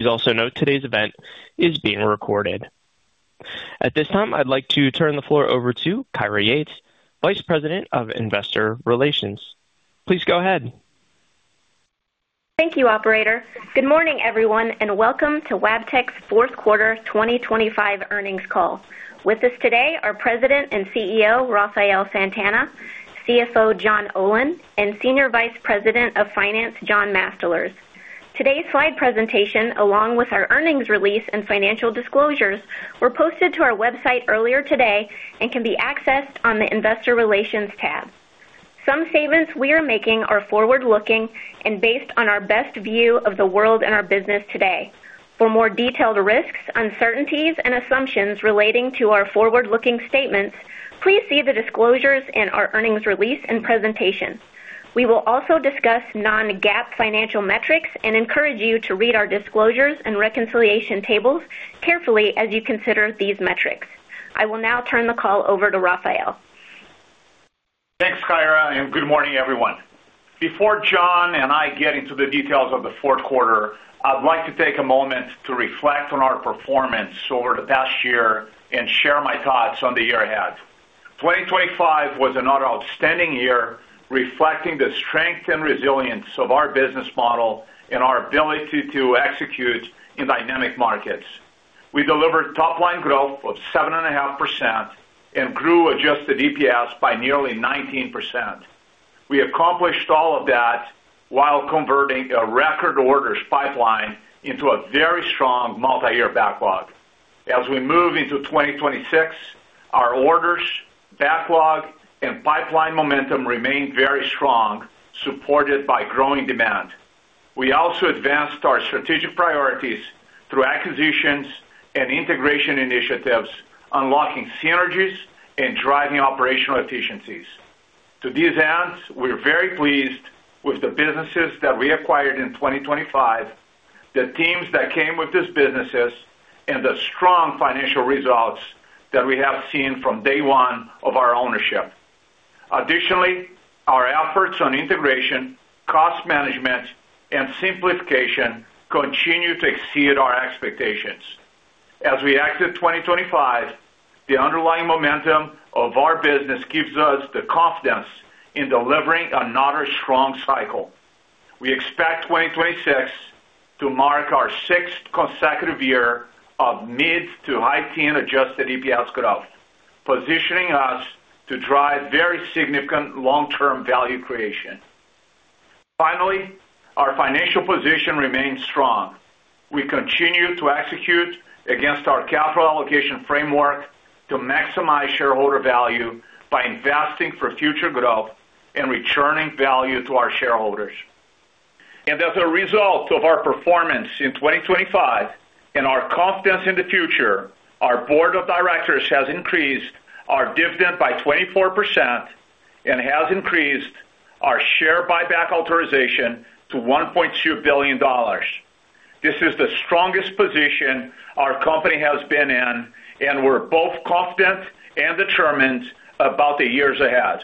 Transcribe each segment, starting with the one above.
Please also note today's event is being recorded. At this time, I'd like to turn the floor over to Kyra Yates, Vice President of Investor Relations. Please go ahead. Thank you, Operator. Good morning, everyone, and welcome to Wabtec's fourth quarter 2025 earnings call. With us today are President and CEO Rafael Santana, CFO John Olin, and Senior Vice President of Finance John Mastalerz. Today's slide presentation, along with our earnings release and financial disclosures, were posted to our website earlier today and can be accessed on the Investor Relations tab. Some statements we are making are forward-looking and based on our best view of the world and our business today. For more detailed risks, uncertainties, and assumptions relating to our forward-looking statements, please see the disclosures in our earnings release and presentation. We will also discuss non-GAAP financial metrics and encourage you to read our disclosures and reconciliation tables carefully as you consider these metrics. I will now turn the call over to Rafael. Thanks, Kyra, and good morning, everyone. Before John and I get into the details of the fourth quarter, I'd like to take a moment to reflect on our performance over the past year and share my thoughts on the year ahead. 2025 was an outstanding year reflecting the strength and resilience of our business model and our ability to execute in dynamic markets. We delivered top-line growth of 7.5% and grew adjusted EPS by nearly 19%. We accomplished all of that while converting a record orders pipeline into a very strong multi-year backlog. As we move into 2026, our orders, backlog, and pipeline momentum remain very strong, supported by growing demand. We also advanced our strategic priorities through acquisitions and integration initiatives, unlocking synergies and driving operational efficiencies. To these ends, we're very pleased with the businesses that we acquired in 2025, the teams that came with these businesses, and the strong financial results that we have seen from day one of our ownership. Additionally, our efforts on integration, cost management, and simplification continue to exceed our expectations. As we exit 2025, the underlying momentum of our business gives us the confidence in delivering another strong cycle. We expect 2026 to mark our sixth consecutive year of mid- to high-teens adjusted EPS growth, positioning us to drive very significant long-term value creation. Finally, our financial position remains strong. We continue to execute against our capital allocation framework to maximize shareholder value by investing for future growth and returning value to our shareholders. As a result of our performance in 2025 and our confidence in the future, our board of directors has increased our dividend by 24% and has increased our share buyback authorization to $1.2 billion. This is the strongest position our company has been in, and we're both confident and determined about the years ahead.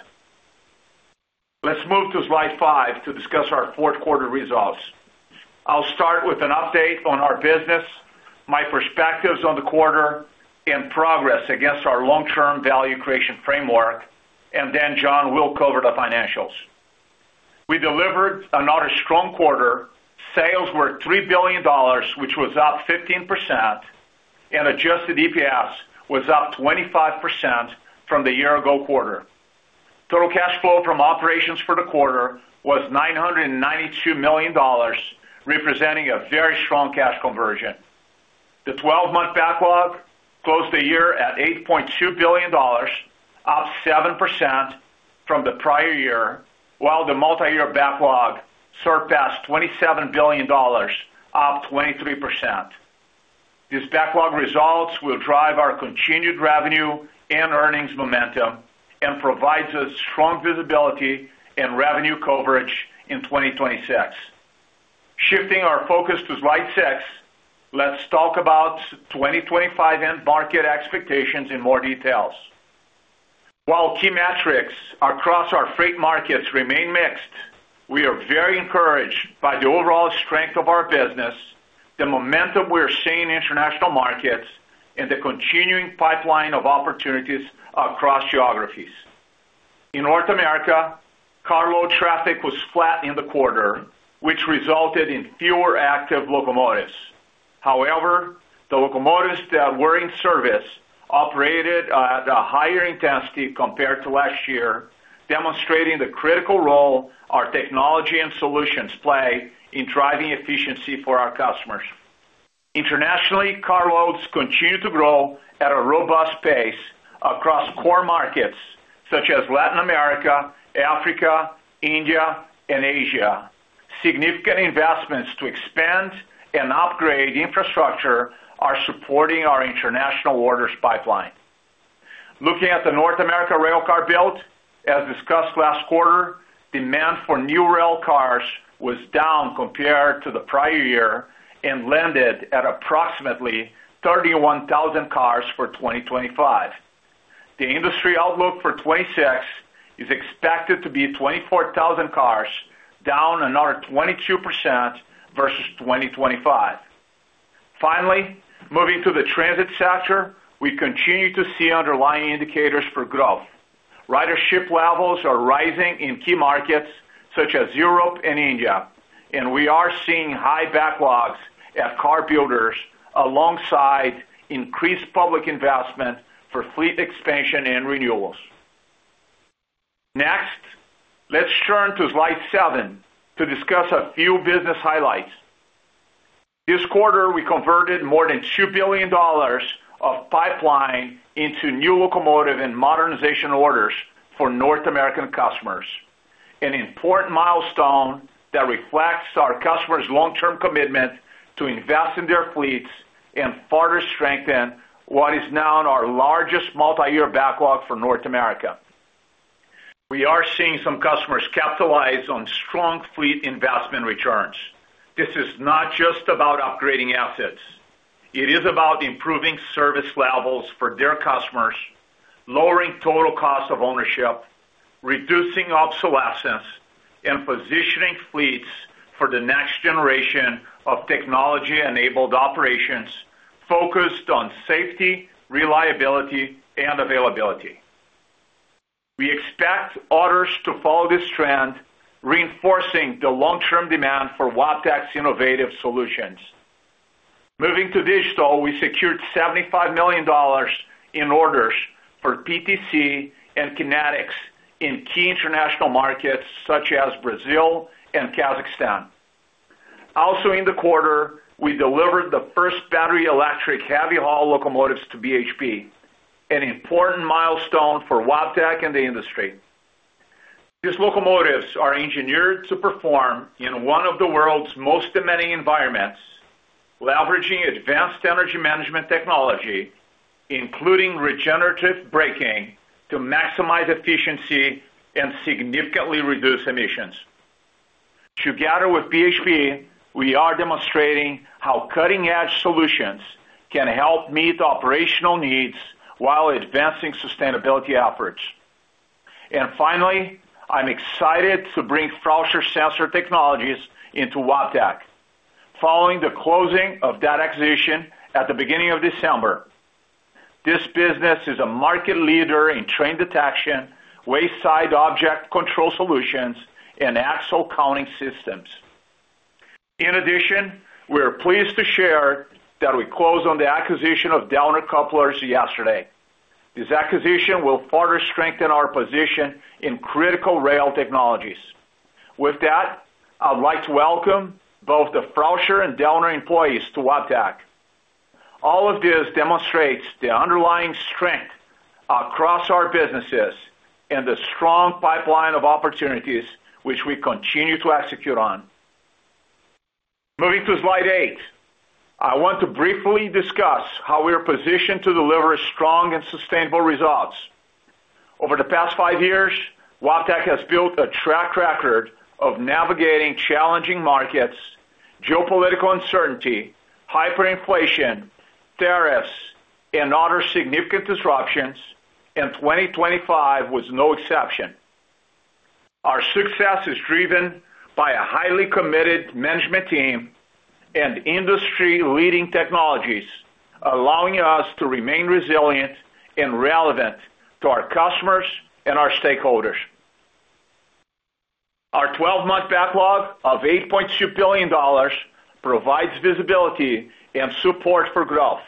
Let's move to slide 5 to discuss our fourth quarter results. I'll start with an update on our business, my perspectives on the quarter, and progress against our long-term value creation framework, and then John will cover the financials. We delivered another strong quarter. Sales were $3 billion, which was up 15%, and adjusted EPS was up 25% from the year-ago quarter. Total cash flow from operations for the quarter was $992 million, representing a very strong cash conversion. The 12-month backlog closed the year at $8.2 billion, up 7% from the prior year, while the multi-year backlog surpassed $27 billion, up 23%. These backlog results will drive our continued revenue and earnings momentum and provide us strong visibility and revenue coverage in 2026. Shifting our focus to slide six, let's talk about 2025-end market expectations in more details. While key metrics across our freight markets remain mix, we are very encouraged by the overall strength of our business, the momentum we're seeing in international markets, and the continuing pipeline of opportunities across geographies. In North America, carload traffic was flat in the quarter, which resulted in fewer active locomotives. However, the locomotives that were in service operated at a higher intensity compared to last year, demonstrating the critical role our technology and solutions play in driving efficiency for our customers. Internationally, carloads continue to grow at a robust pace across core markets such as Latin America, Africa, India, and Asia. Significant investments to expand and upgrade infrastructure are supporting our international orders pipeline. Looking at the North America railcar build, as discussed last quarter, demand for new railcars was down compared to the prior year and landed at approximately 31,000 cars for 2025. The industry outlook for 2026 is expected to be 24,000 cars, down another 22% versus 2025. Finally, moving to the transit sector, we continue to see underlying indicators for growth. Ridership levels are rising in key markets such as Europe and India, and we are seeing high backlogs at car builders alongside increased public investment for fleet expansion and renewals. Next, let's turn to slide seven to discuss a few business highlights. This quarter, we converted more than $2 billion of pipeline into new locomotive and modernization orders for North American customers, an important milestone that reflects our customers' long-term commitment to invest in their fleets and further strengthen what is now our largest multi-year backlog for North America. We are seeing some customers capitalize on strong fleet investment returns. This is not just about upgrading assets. It is about improving service levels for their customers, lowering total cost of ownership, reducing obsolescence, and positioning fleets for the next generation of technology-enabled operations focused on safety, reliability, and availability. We expect others to follow this trend, reinforcing the long-term demand for Wabtec's innovative solutions. Moving to digital, we secured $75 million in orders for PTC and KinetiX in key international markets such as Brazil and Kazakhstan. Also in the quarter, we delivered the first battery-electric heavy haul locomotives to BHP, an important milestone for Wabtec and the industry. These locomotives are engineered to perform in one of the world's most demanding environments, leveraging advanced energy management technology, including regenerative braking, to maximize efficiency and significantly reduce emissions. Together with BHP, we are demonstrating how cutting-edge solutions can help meet operational needs while advancing sustainability efforts. Finally, I'm excited to bring Frauscher Sensor Technology into Wabtec. Following the closing of that acquisition at the beginning of December, this business is a market leader in train detection, wayside object control solutions, and axle counting systems. In addition, we are pleased to share that we closed on the acquisition of Dellner Couplers yesterday. This acquisition will further strengthen our position in critical rail technologies. With that, I'd like to welcome both the Frauscher and Dellner employees to Wabtec. All of this demonstrates the underlying strength across our businesses and the strong pipeline of opportunities which we continue to execute on. Moving to slide eight, I want to briefly discuss how we are positioned to deliver strong and sustainable results. Over the past five years, Wabtec has built a track record of navigating challenging markets, geopolitical uncertainty, hyperinflation, tariffs, and other significant disruptions, and 2025 was no exception. Our success is driven by a highly committed management team and industry-leading technologies, allowing us to remain resilient and relevant to our customers and our stakeholders. Our 12-month backlog of $8.2 billion provides visibility and support for growth.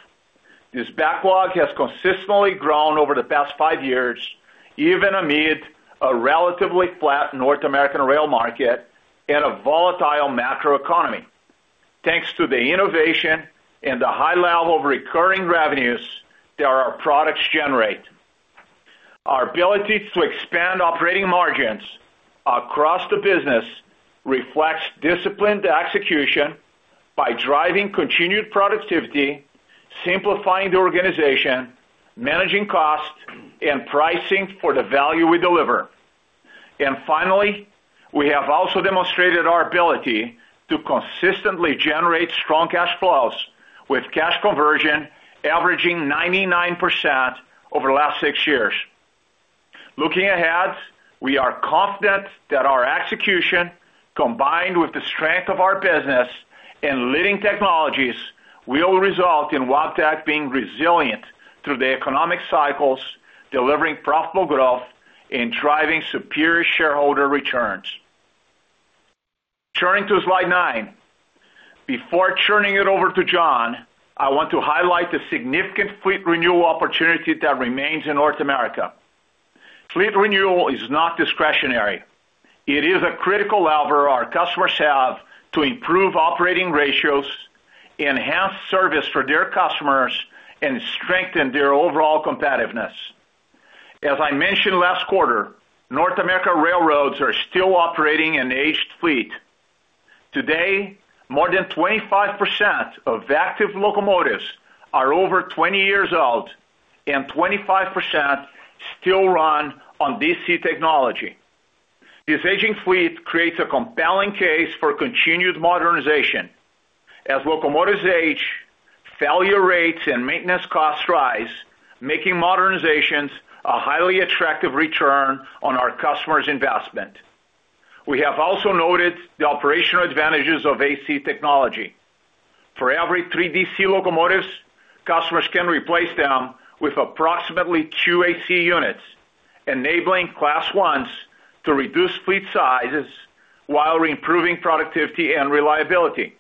This backlog has consistently grown over the past five years, even amid a relatively flat North American rail market and a volatile macroeconomy, thanks to the innovation and the high level of recurring revenues that our products generate. Our ability to expand operating margins across the business reflects disciplined execution by driving continued productivity, simplifying the organization, managing costs, and pricing for the value we deliver. And finally, we have also demonstrated our ability to consistently generate strong cash flows with cash conversion averaging 99% over the last six years. Looking ahead, we are confident that our execution, combined with the strength of our business and leading technologies, will result in Wabtec being resilient through the economic cycles, delivering profitable growth, and driving superior shareholder returns. Turning to slide nine. Before turning it over to John, I want to highlight the significant fleet renewal opportunity that remains in North America. Fleet renewal is not discretionary. It is a critical lever our customers have to improve operating ratios, enhance service for their customers, and strengthen their overall competitiveness. As I mentioned last quarter, North America Railroads are still operating an aged fleet. Today, more than 25% of active locomotives are over 20 years old, and 25% still run on DC technology. This aging fleet creates a compelling case for continued modernization. As locomotives age, failure rates, and maintenance costs rise, making modernizations a highly attractive return on our customers' investment. We have also noted the operational advantages of AC technology. For every 3 DC locomotives, customers can replace them with approximately 2 AC units, enabling Class 1s to reduce fleet sizes while improving productivity and reliability.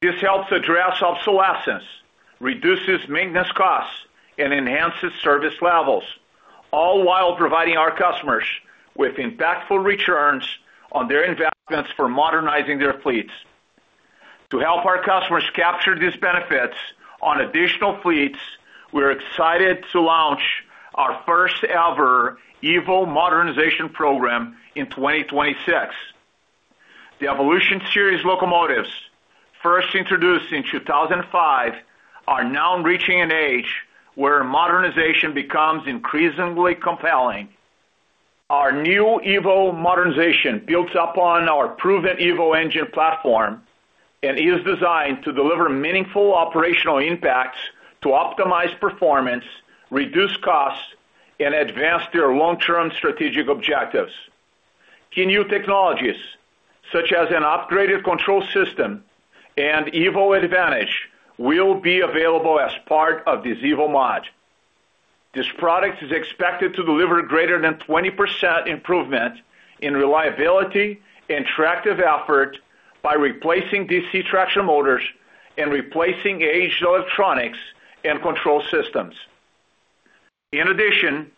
This helps address obsolescence, reduces maintenance costs, and enhances service levels, all while providing our customers with impactful returns on their investments for modernizing their fleets. To help our customers capture these benefits on additional fleets, we are excited to launch our first-ever EVO Modernization program in 2026. The Evolution Series locomotives, first introduced in 2005, are now reaching an age where modernization becomes increasingly compelling. Our new EVO modernization builds upon our proven EVO engine platform and is designed to deliver meaningful operational impacts to optimize performance, reduce costs, and advance their long-term strategic objectives. Key new technologies, such as an upgraded control system and EVO Advantage, will be available as part of this EVO mod. This product is expected to deliver greater than 20% improvement in reliability and tractive effort by replacing DC traction motors and replacing aged electronics and control systems. In addition,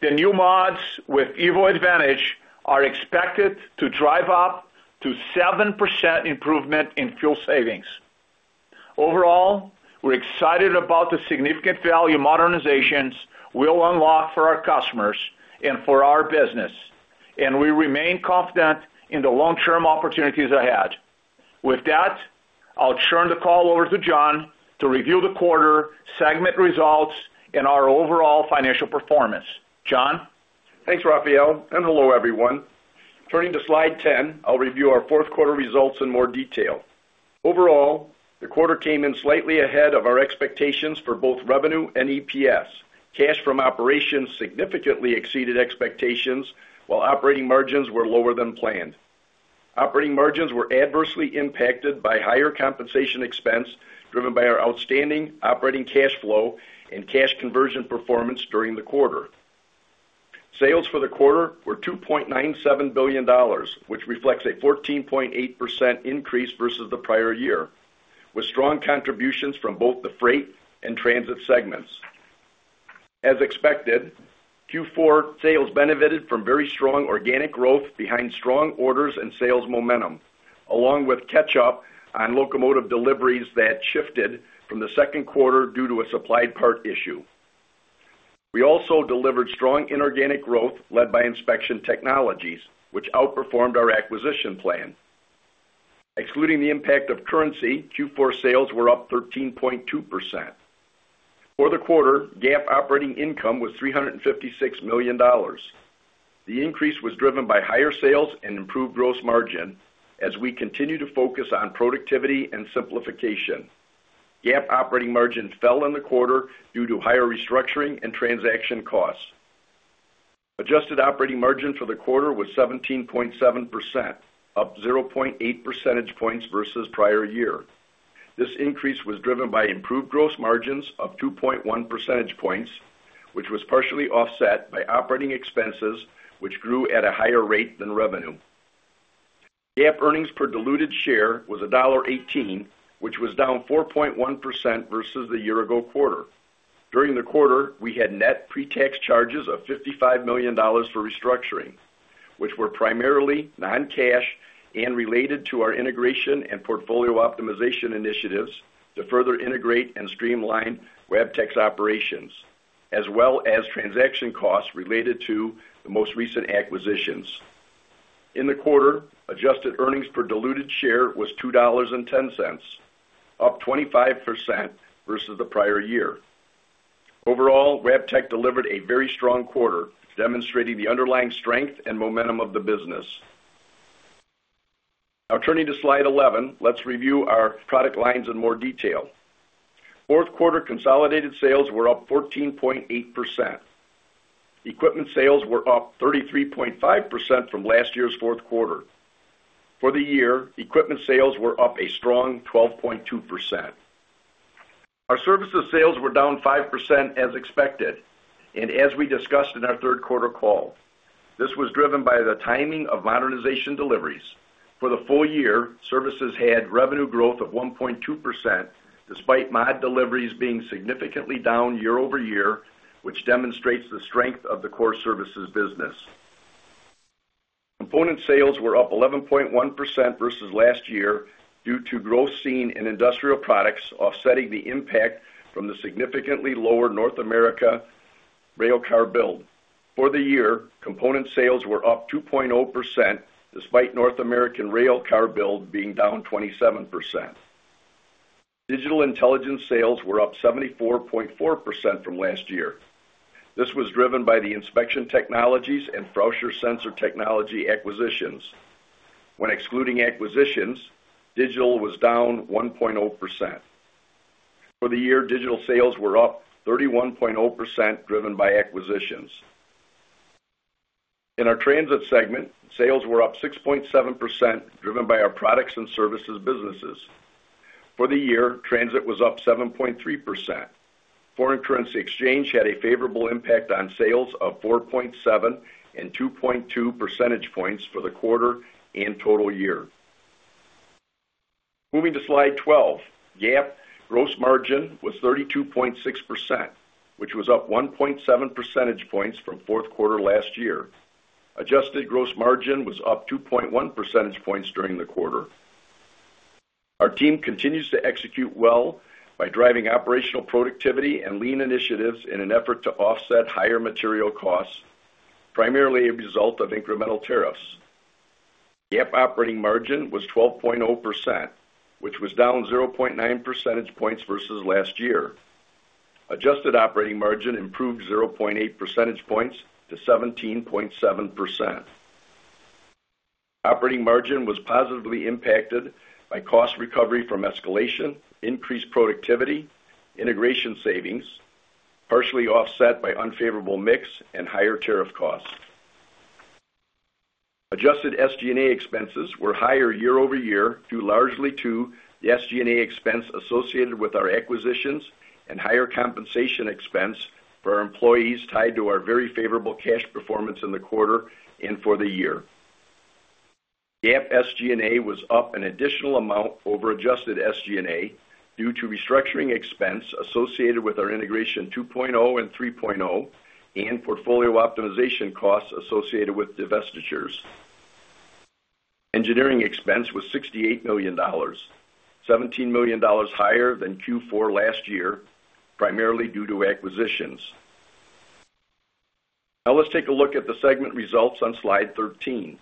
the new mods with EVO Advantage are expected to drive up to 7% improvement in fuel savings. Overall, we're excited about the significant value modernizations we'll unlock for our customers and for our business, and we remain confident in the long-term opportunities ahead. With that, I'll turn the call over to John to review the quarter segment results and our overall financial performance. John? Thanks, Rafael, and hello, everyone. Turning to slide 10, I'll review our fourth quarter results in more detail. Overall, the quarter came in slightly ahead of our expectations for both revenue and EPS. Cash from operations significantly exceeded expectations, while operating margins were lower than planned. Operating margins were adversely impacted by higher compensation expense driven by our outstanding operating cash flow and cash conversion performance during the quarter. Sales for the quarter were $2.97 billion, which reflects a 14.8% increase versus the prior year, with strong contributions from both the freight and transit segments. As expected, Q4 sales benefited from very strong organic growth behind strong orders and sales momentum, along with catch-up on locomotive deliveries that shifted from the second quarter due to a supplied part issue. We also delivered strong inorganic growth led by Inspection Technologies, which outperformed our acquisition plan. Excluding the impact of currency, Q4 sales were up 13.2%. For the quarter, GAAP operating income was $356 million. The increase was driven by higher sales and improved gross margin as we continue to focus on productivity and simplification. GAAP operating margin fell in the quarter due to higher restructuring and transaction costs. Adjusted operating margin for the quarter was 17.7%, up 0.8 percentage points versus prior year. This increase was driven by improved gross margins of 2.1 percentage points, which was partially offset by operating expenses, which grew at a higher rate than revenue. GAAP earnings per diluted share was $1.18, which was down 4.1% versus the year-ago quarter. During the quarter, we had net pre-tax charges of $55 million for restructuring, which were primarily non-cash and related to our integration and portfolio optimization initiatives to further integrate and streamline Wabtec's operations, as well as transaction costs related to the most recent acquisitions. In the quarter, adjusted earnings per diluted share was $2.10, up 25% versus the prior year. Overall, Wabtec delivered a very strong quarter, demonstrating the underlying strength and momentum of the business. Now, turning to slide 11, let's review our product lines in more detail. Fourth quarter consolidated sales were up 14.8%. Equipment sales were up 33.5% from last year's fourth quarter. For the year, equipment sales were up a strong 12.2%. Our services sales were down 5% as expected and as we discussed in our third quarter call. This was driven by the timing of modernization deliveries. For the full year, services had revenue growth of 1.2% despite mod deliveries being significantly down year-over-year, which demonstrates the strength of the core services business. Component sales were up 11.1% versus last year due to growth seen in industrial products offsetting the impact from the significantly lower North American railcar build. For the year, component sales were up 2.0% despite North American railcar build being down 27%. Digital Intelligence sales were up 74.4% from last year. This was driven by the Inspection Technologies and Frauscher Sensor Technology acquisitions. When excluding acquisitions, digital was down 1.0%. For the year, digital sales were up 31.0% driven by acquisitions. In our transit segment, sales were up 6.7% driven by our products and services businesses. For the year, transit was up 7.3%. Foreign currency exchange had a favorable impact on sales of 4.7 and 2.2 percentage points for the quarter and total year. Moving to slide 12, GAAP gross margin was 32.6%, which was up 1.7 percentage points from fourth quarter last year. Adjusted gross margin was up 2.1 percentage points during the quarter. Our team continues to execute well by driving operational productivity and lean initiatives in an effort to offset higher material costs, primarily a result of incremental tariffs. GAAP operating margin was 12.0%, which was down 0.9 percentage points versus last year. Adjusted operating margin improved 0.8 percentage points to 17.7%. Operating margin was positively impacted by cost recovery from escalation, increased productivity, integration savings, partially offset by unfavorable mix and higher tariff costs. Adjusted SG&A expenses were higher year-over-year largely due to the SG&A expense associated with our acquisitions and higher compensation expense for our employees tied to our very favorable cash performance in the quarter and for the year. GAAP SG&A was up an additional amount over adjusted SG&A due to restructuring expense associated with our Integration 2.0 and 3.0 and portfolio optimization costs associated with divestitures. Engineering expense was $68 million, $17 million higher than Q4 last year, primarily due to acquisitions. Now, let's take a look at the segment results on slide 13,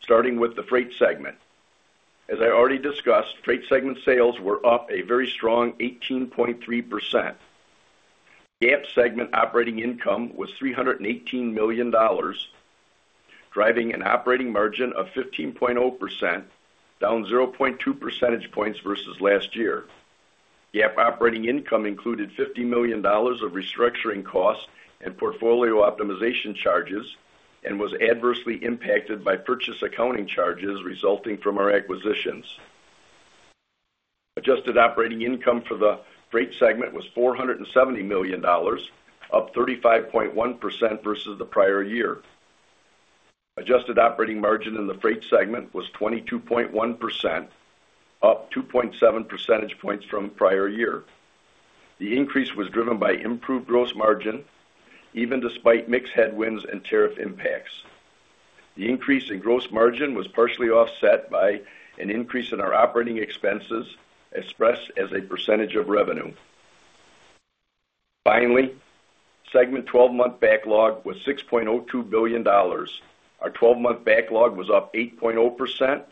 starting with the freight segment. As I already discussed, freight segment sales were up a very strong 18.3%. GAAP segment operating income was $318 million, driving an operating margin of 15.0%, down 0.2 percentage points versus last year. GAAP operating income included $50 million of restructuring costs and portfolio optimization charges and was adversely impacted by purchase accounting charges resulting from our acquisitions. Adjusted operating income for the freight segment was $470 million, up 35.1% versus the prior year. Adjusted operating margin in the freight segment was 22.1%, up 2.7 percentage points from prior year. The increase was driven by improved gross margin, even despite mix headwinds and tariff impacts. The increase in gross margin was partially offset by an increase in our operating expenses expressed as a percentage of revenue. Finally, segment 12-month backlog was $6.02 billion. Our 12-month backlog was up 8.0%,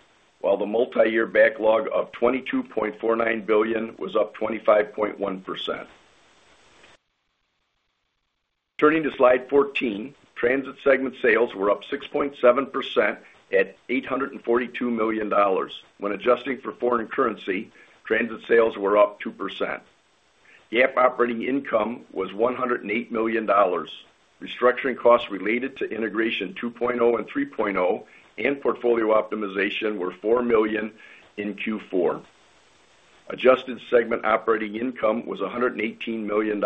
while the multi-year backlog of $22.49 billion was up 25.1%. Turning to slide 14, transit segment sales were up 6.7% at $842 million. When adjusting for foreign currency, transit sales were up 2%. GAAP operating income was $108 million. Restructuring costs related to Integration 2.0 and 3.0 and portfolio optimization were $4 million in Q4. Adjusted segment operating income was $118 million.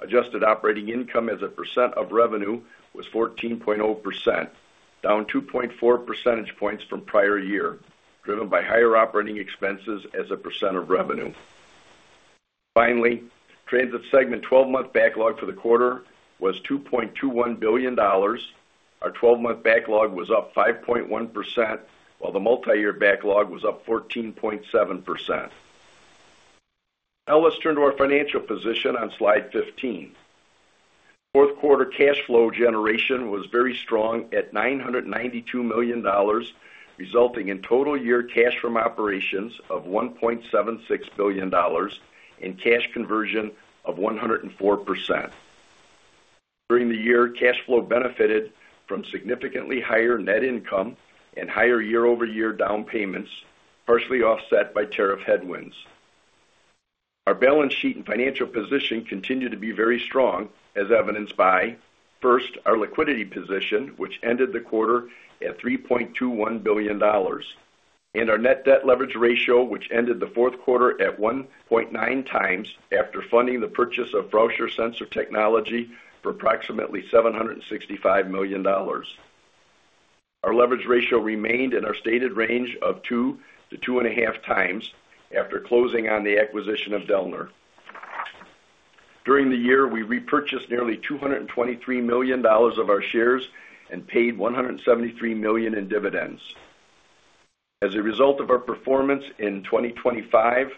Adjusted operating income as a percent of revenue was 14.0%, down 2.4 percentage points from prior year, driven by higher operating expenses as a percent of revenue. Finally, transit segment 12-month backlog for the quarter was $2.21 billion. Our 12-month backlog was up 5.1%, while the multi-year backlog was up 14.7%. Now, let's turn to our financial position on slide 15. Fourth quarter cash flow generation was very strong at $992 million, resulting in total year cash from operations of $1.76 billion and cash conversion of 104%. During the year, cash flow benefited from significantly higher net income and higher year-over-year down payments, partially offset by tariff headwinds. Our balance sheet and financial position continue to be very strong, as evidenced by, first, our liquidity position, which ended the quarter at $3.21 billion, and our net debt leverage ratio, which ended the fourth quarter at 1.9 times after funding the purchase of Frauscher Sensor Technology for approximately $765 million. Our leverage ratio remained in our stated range of 2-2.5 times after closing on the acquisition of Dellner. During the year, we repurchased nearly $223 million of our shares and paid $173 million in dividends. As a result of our performance in 2025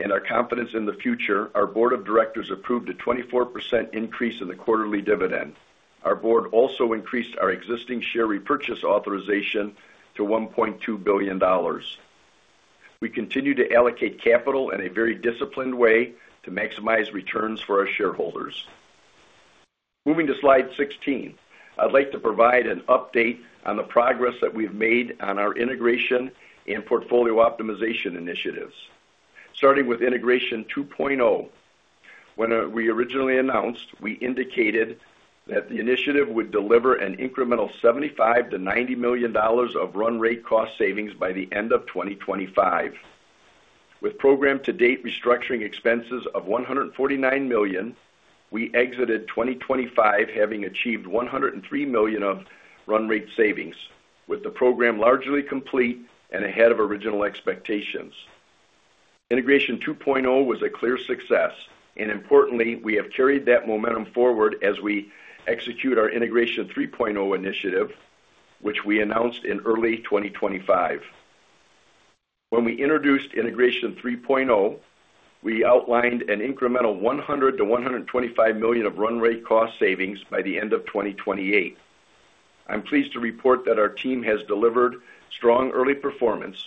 and our confidence in the future, our board of directors approved a 24% increase in the quarterly dividend. Our board also increased our existing share repurchase authorization to $1.2 billion. We continue to allocate capital in a very disciplined way to maximize returns for our shareholders. Moving to slide 16, I'd like to provide an update on the progress that we've made on our integration and portfolio optimization initiatives. Starting with Integration 2.0, when we originally announced, we indicated that the initiative would deliver an incremental $75-$90 million of run rate cost savings by the end of 2025. With program-to-date restructuring expenses of $149 million, we exited 2025 having achieved $103 million of run rate savings, with the program largely complete and ahead of original expectations. Integration 2.0 was a clear success, and importantly, we have carried that momentum forward as we execute our Integration 3.0 initiative, which we announced in early 2025. When we introduced Integration 3.0, we outlined an incremental $100-$125 million of run rate cost savings by the end of 2028. I'm pleased to report that our team has delivered strong early performance.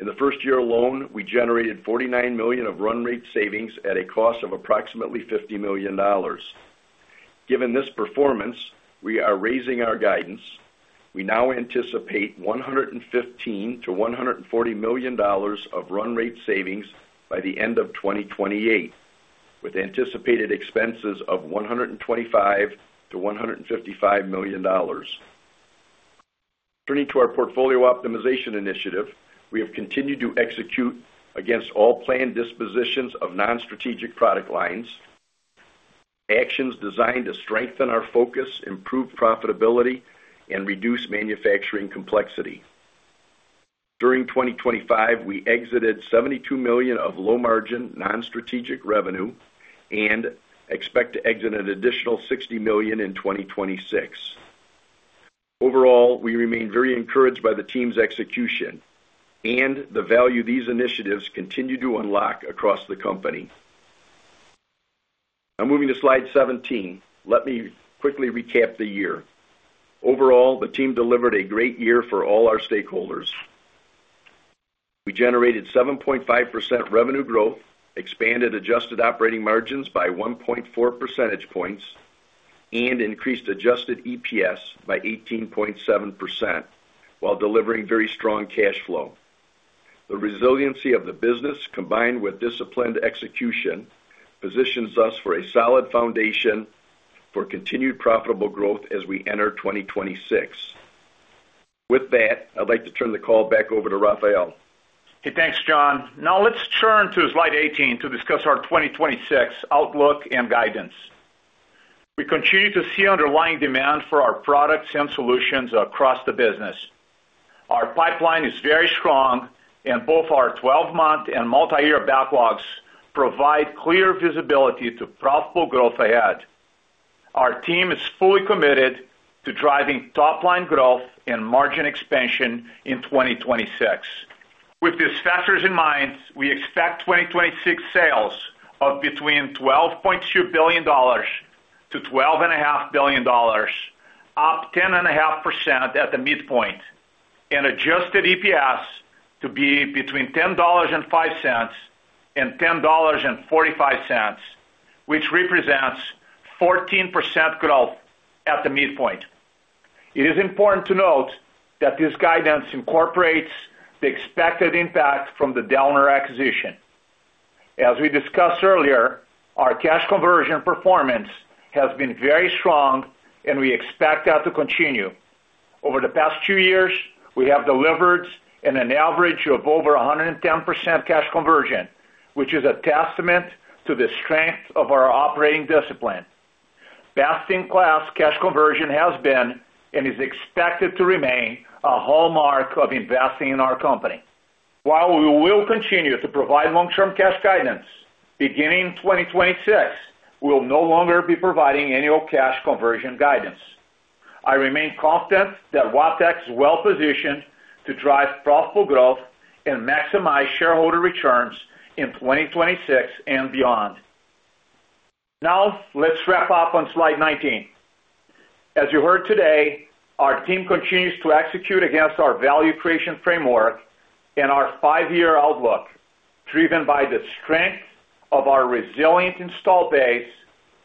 In the first year alone, we generated $49 million of run rate savings at a cost of approximately $50 million. Given this performance, we are raising our guidance. We now anticipate $115-$140 million of run rate savings by the end of 2028, with anticipated expenses of $125-$155 million. Turning to our portfolio optimization initiative, we have continued to execute against all planned dispositions of non-strategic product lines, actions designed to strengthen our focus, improve profitability, and reduce manufacturing complexity. During 2025, we exited $72 million of low-margin non-strategic revenue and expect to exit an additional $60 million in 2026. Overall, we remain very encouraged by the team's execution and the value these initiatives continue to unlock across the company. Now, moving to slide 17, let me quickly recap the year. Overall, the team delivered a great year for all our stakeholders. We generated 7.5% revenue growth, expanded adjusted operating margins by 1.4 percentage points, and increased adjusted EPS by 18.7% while delivering very strong cash flow. The resiliency of the business, combined with disciplined execution, positions us for a solid foundation for continued profitable growth as we enter 2026. With that, I'd like to turn the call back over to Rafael. Hey, thanks, John. Now, let's turn to slide 18 to discuss our 2026 outlook and guidance. We continue to see underlying demand for our products and solutions across the business. Our pipeline is very strong, and both our 12-month and multi-year backlogs provide clear visibility to profitable growth ahead. Our team is fully committed to driving top-line growth and margin expansion in 2026. With these factors in mind, we expect 2026 sales of between $12.2 billion-$12.5 billion, up 10.5% at the midpoint, and adjusted EPS to be between $10.05-$10.45, which represents 14% growth at the midpoint. It is important to note that this guidance incorporates the expected impact from the Dellner acquisition. As we discussed earlier, our cash conversion performance has been very strong, and we expect that to continue. Over the past two years, we have delivered an average of over 110% cash conversion, which is a testament to the strength of our operating discipline. Best-in-class cash conversion has been and is expected to remain a hallmark of investing in our company. While we will continue to provide long-term cash guidance beginning 2026, we will no longer be providing annual cash conversion guidance. I remain confident that Wabtec is well-positioned to drive profitable growth and maximize shareholder returns in 2026 and beyond. Now, let's wrap up on slide 19. As you heard today, our team continues to execute against our value creation framework and our five-year outlook, driven by the strength of our resilient install base,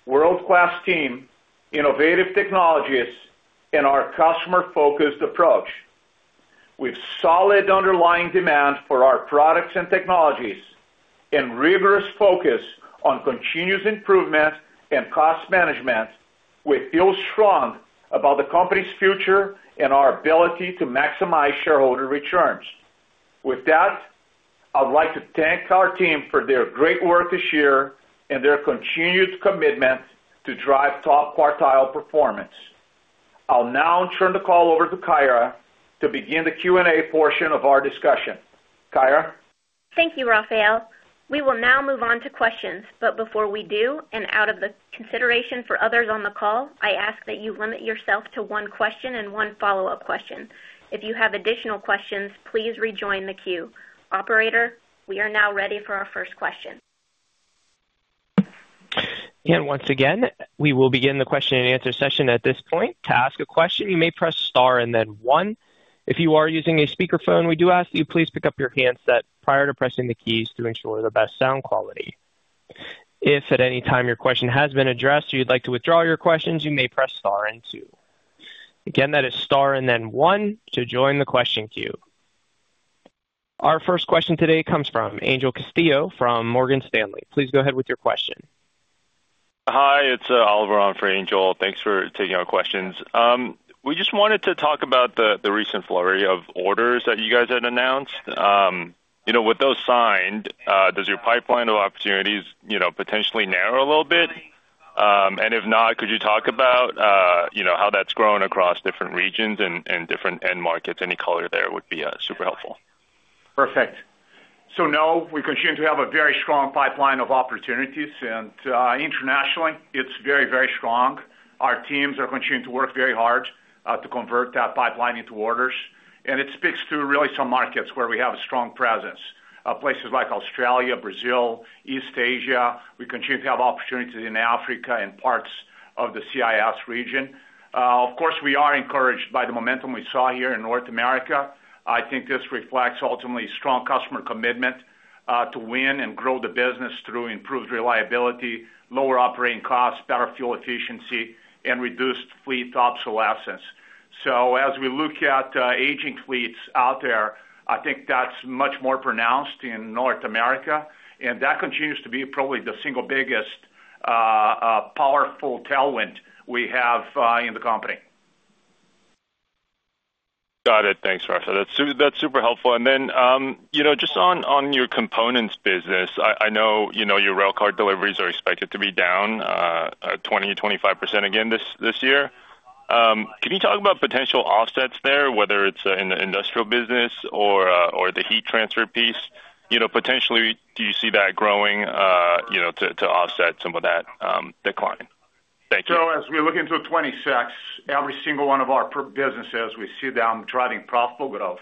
world-class team, innovative technologies, and our customer-focused approach. We have solid underlying demand for our products and technologies and rigorous focus on continuous improvement and cost management, [and] we feel strong about the company's future and our ability to maximize shareholder returns. With that, I'd like to thank our team for their great work this year and their continued commitment to drive top quartile performance. I'll now turn the call over to Kyra to begin the Q&A portion of our discussion. Kyra? Thank you, Rafael. We will now move on to questions, but before we do, and out of consideration for others on the call, I ask that you limit yourself to one question and one follow-up question. If you have additional questions, please rejoin the queue. Operator, we are now ready for our first question. Once again, we will begin the question-and-answer session at this point. To ask a question, you may press star and then one. If you are using a speakerphone, we do ask that you please pick up your handset prior to pressing the keys to ensure the best sound quality. If at any time your question has been addressed or you'd like to withdraw your questions, you may press star and two. Again, that is star and then one to join the question queue. Our first question today comes from Angel Castillo from Morgan Stanley. Please go ahead with your question. Hi, it's Oliver on for Angel. Thanks for taking our questions. We just wanted to talk about the recent flurry of orders that you guys had announced. With those signed, does your pipeline of opportunities potentially narrow a little bit? And if not, could you talk about how that's grown across different regions and different end markets? Any color there would be super helpful. Perfect. So now we continue to have a very strong pipeline of opportunities, and internationally, it's very, very strong. Our teams are continuing to work very hard to convert that pipeline into orders, and it speaks to really some markets where we have a strong presence, places like Australia, Brazil, East Asia. We continue to have opportunities in Africa and parts of the CIS region. Of course, we are encouraged by the momentum we saw here in North America. I think this reflects ultimately strong customer commitment to win and grow the business through improved reliability, lower operating costs, better fuel efficiency, and reduced fleet obsolescence. So as we look at aging fleets out there, I think that's much more pronounced in North America, and that continues to be probably the single biggest powerful tailwind we have in the company. Got it. Thanks, Rafael. That's super helpful. And then just on your components business, I know your railcar deliveries are expected to be down 20%-25% again this year. Can you talk about potential offsets there, whether it's in the industrial business or the heat transfer piece? Potentially, do you see that growing to offset some of that decline? Thank you. So as we look into 2026, every single one of our businesses, we see them driving profitable growth.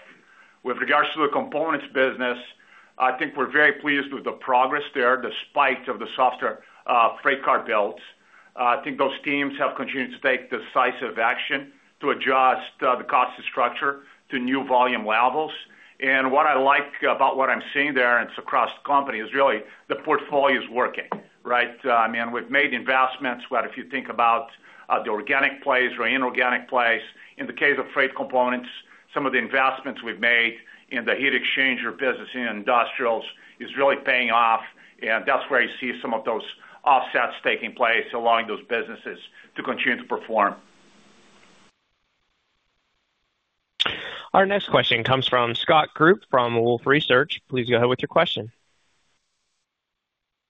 With regards to the components business, I think we're very pleased with the progress there, the spike of the software freight car builds. I think those teams have continued to take decisive action to adjust the cost structure to new volume levels. And what I like about what I'm seeing there, and it's across the company, is really the portfolio's working, right? I mean, we've made investments. But if you think about the organic place or inorganic place, in the case of freight components, some of the investments we've made in the heat exchanger business in industrials is really paying off, and that's where you see some of those offsets taking place allowing those businesses to continue to perform. Our next question comes from Scott Group from Wolfe Research. Please go ahead with your question.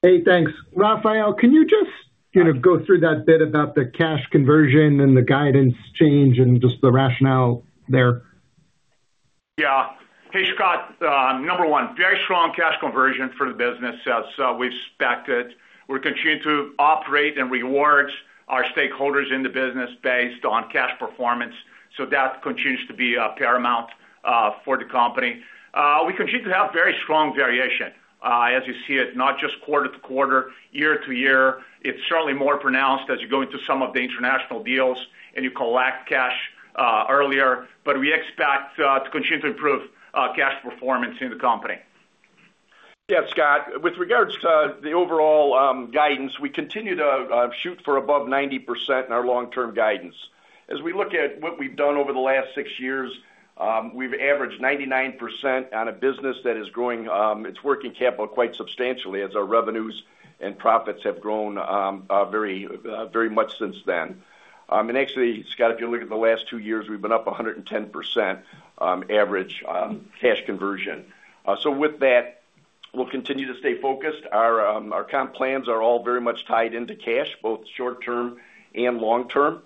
Hey, thanks. Rafael, can you just go through that bit about the cash conversion and the guidance change and just the rationale there? Yeah. Hey, Scott. Number one, very strong cash conversion for the business as we've expected. We're continuing to operate and reward our stakeholders in the business based on cash performance, so that continues to be paramount for the company. We continue to have very strong variation, as you see it, not just quarter-to-quarter, year-to-year. It's certainly more pronounced as you go into some of the international deals and you collect cash earlier, but we expect to continue to improve cash performance in the company. Yeah, Scott. With regards to the overall guidance, we continue to shoot for above 90% in our long-term guidance. As we look at what we've done over the last six years, we've averaged 99% on a business that is growing its working capital quite substantially as our revenues and profits have grown very much since then. Actually, Scott, if you look at the last two years, we've been up 110% average cash conversion. With that, we'll continue to stay focused. Our comp plans are all very much tied into cash, both short-term and long-term,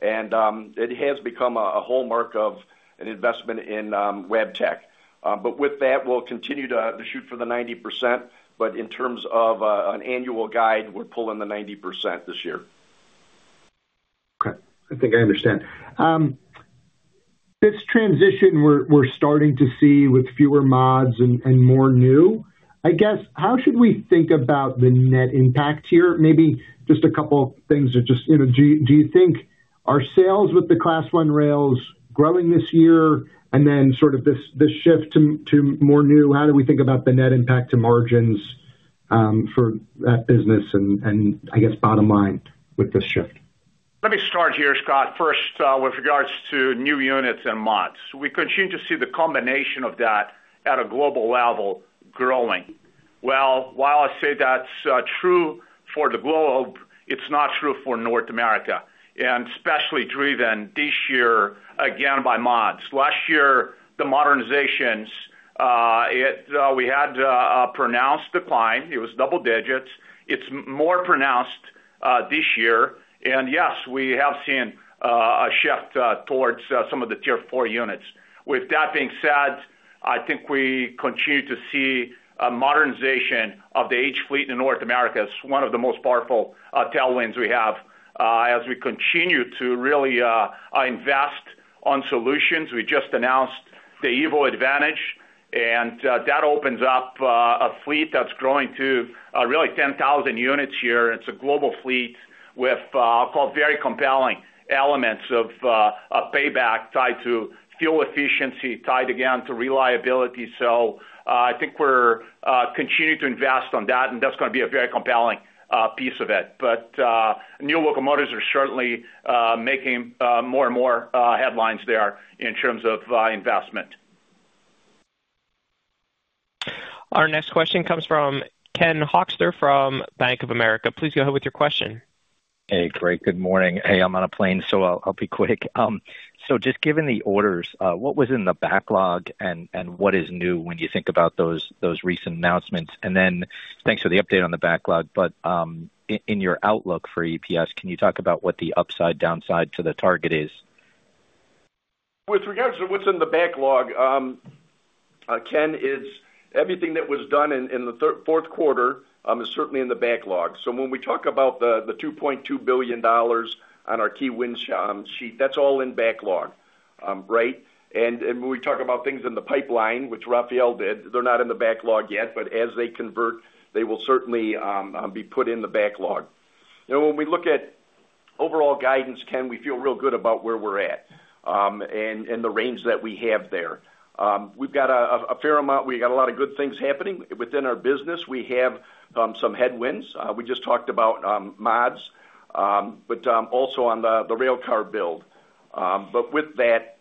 and it has become a hallmark of an investment in Wabtec. With that, we'll continue to shoot for the 90%, but in terms of an annual guide, we're pulling the 90% this year. Okay. I think I understand. This transition we're starting to see with fewer mods and more new, I guess, how should we think about the net impact here? Maybe just a couple of things. Do you think our sales with the Class 1 Rails growing this year and then sort of this shift to more new, how do we think about the net impact to margins for that business and, I guess, bottom line with this shift? Let me start here, Scott, first with regards to new units and mods. We continue to see the combination of that at a global level growing. Well, while I say that's true for the globe, it's not true for North America, and especially driven this year, again, by mods. Last year, the modernizations, we had a pronounced decline. It was double digits. It's more pronounced this year. And yes, we have seen a shift towards some of the Tier 4 units. With that being said, I think we continue to see modernization of the H fleet in North America as one of the most powerful tailwinds we have as we continue to really invest on solutions. We just announced the EVO Advantage, and that opens up a fleet that's growing to really 10,000 units here. It's a global fleet with, I'll call it, very compelling elements of payback tied to fuel efficiency, tied again to reliability. So I think we're continuing to invest on that, and that's going to be a very compelling piece of it. But new locomotives are certainly making more and more headlines there in terms of investment. Our next question comes from Ken Hoexter from Bank of America. Please go ahead with your question. Hey, great. Good morning. Hey, I'm on a plane, so I'll be quick. So just given the orders, what was in the backlog and what is new when you think about those recent announcements? And then thanks for the update on the backlog, but in your outlook for EPS, can you talk about what the upside, downside to the target is? With regards to what's in the backlog, Ken, everything that was done in the fourth quarter is certainly in the backlog. So when we talk about the $2.2 billion on our balance sheet, that's all in backlog, right? And when we talk about things in the pipeline, which Rafael did, they're not in the backlog yet, but as they convert, they will certainly be put in the backlog. When we look at overall guidance, Ken, we feel real good about where we're at and the range that we have there. We've got a fair amount. We've got a lot of good things happening within our business. We have some headwinds. We just talked about mods, but also on the railcar build. But with that,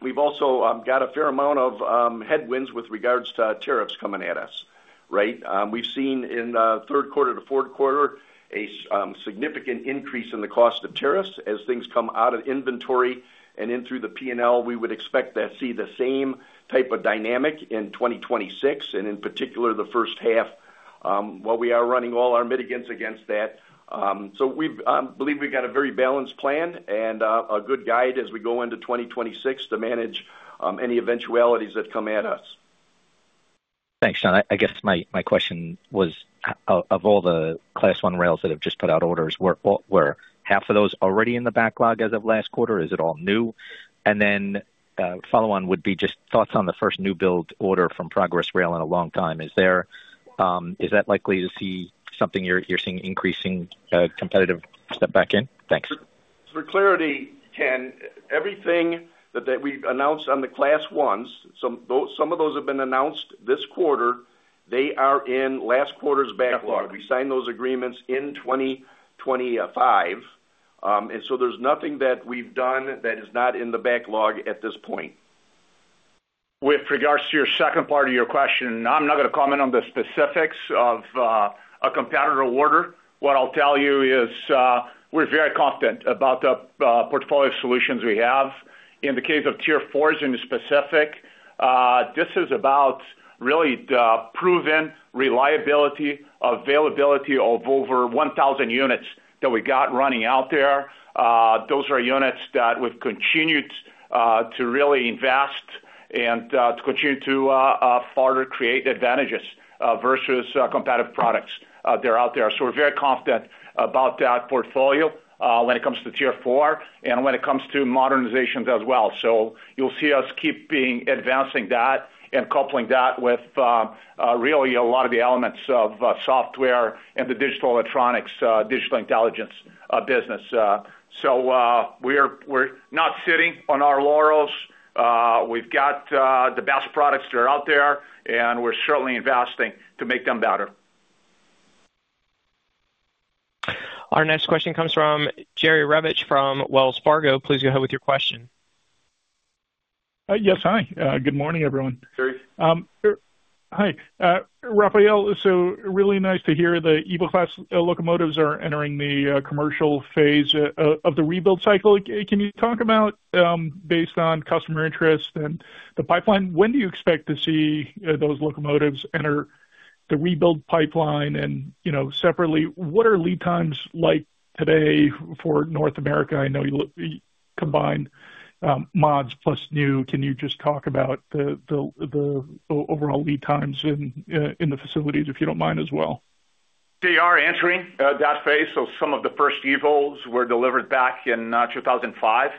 we've also got a fair amount of headwinds with regards to tariffs coming at us, right? We've seen in the third quarter to fourth quarter a significant increase in the cost of tariffs. As things come out of inventory and in through the P&L, we would expect to see the same type of dynamic in 2026 and in particular the first half. Well, we are running all our mitigants against that. So we believe we've got a very balanced plan and a good guide as we go into 2026 to manage any eventualities that come at us. Thanks, John. I guess my question was, of all the Class 1 Rails that have just put out orders, were half of those already in the backlog as of last quarter? Is it all new? And then follow-on would be just thoughts on the first new build order from Progress Rail in a long time. Is that likely to see something you're seeing increasing competitive step back in? Thanks. For clarity, Ken, everything that we've announced on the Class 1s, some of those have been announced this quarter. They are in last quarter's backlog. We signed those agreements in 2025, and so there's nothing that we've done that is not in the backlog at this point. With regards to your second part of your question, I'm not going to comment on the specifics of a competitor order. What I'll tell you is we're very confident about the portfolio of solutions we have. In the case of Tier 4s in the specific, this is about really proven reliability, availability of over 1,000 units that we got running out there. Those are units that we've continued to really invest and to continue to further create advantages versus competitive products that are out there. So we're very confident about that portfolio when it comes to Tier 4 and when it comes to modernizations as well. So you'll see us keep advancing that and coupling that with really a lot of the elements of software and the digital electronics, Digital Intelligence business. So we're not sitting on our laurels. We've got the best products that are out there, and we're certainly investing to make them better. Our next question comes from Jerry Revich from Wells Fargo. Please go ahead with your question. Yes, hi. Good morning, everyone. Hi, Rafael. So really nice to hear the EVO Class locomotives are entering the commercial phase of the rebuild cycle. Can you talk about, based on customer interest and the pipeline, when do you expect to see those locomotives enter the rebuild pipeline? And separately, what are lead times like today for North America? I know you combined mods plus new. Can you just talk about the overall lead times in the facilities, if you don't mind, as well? They are entering that phase. So some of the first EVOs were delivered back in 2005,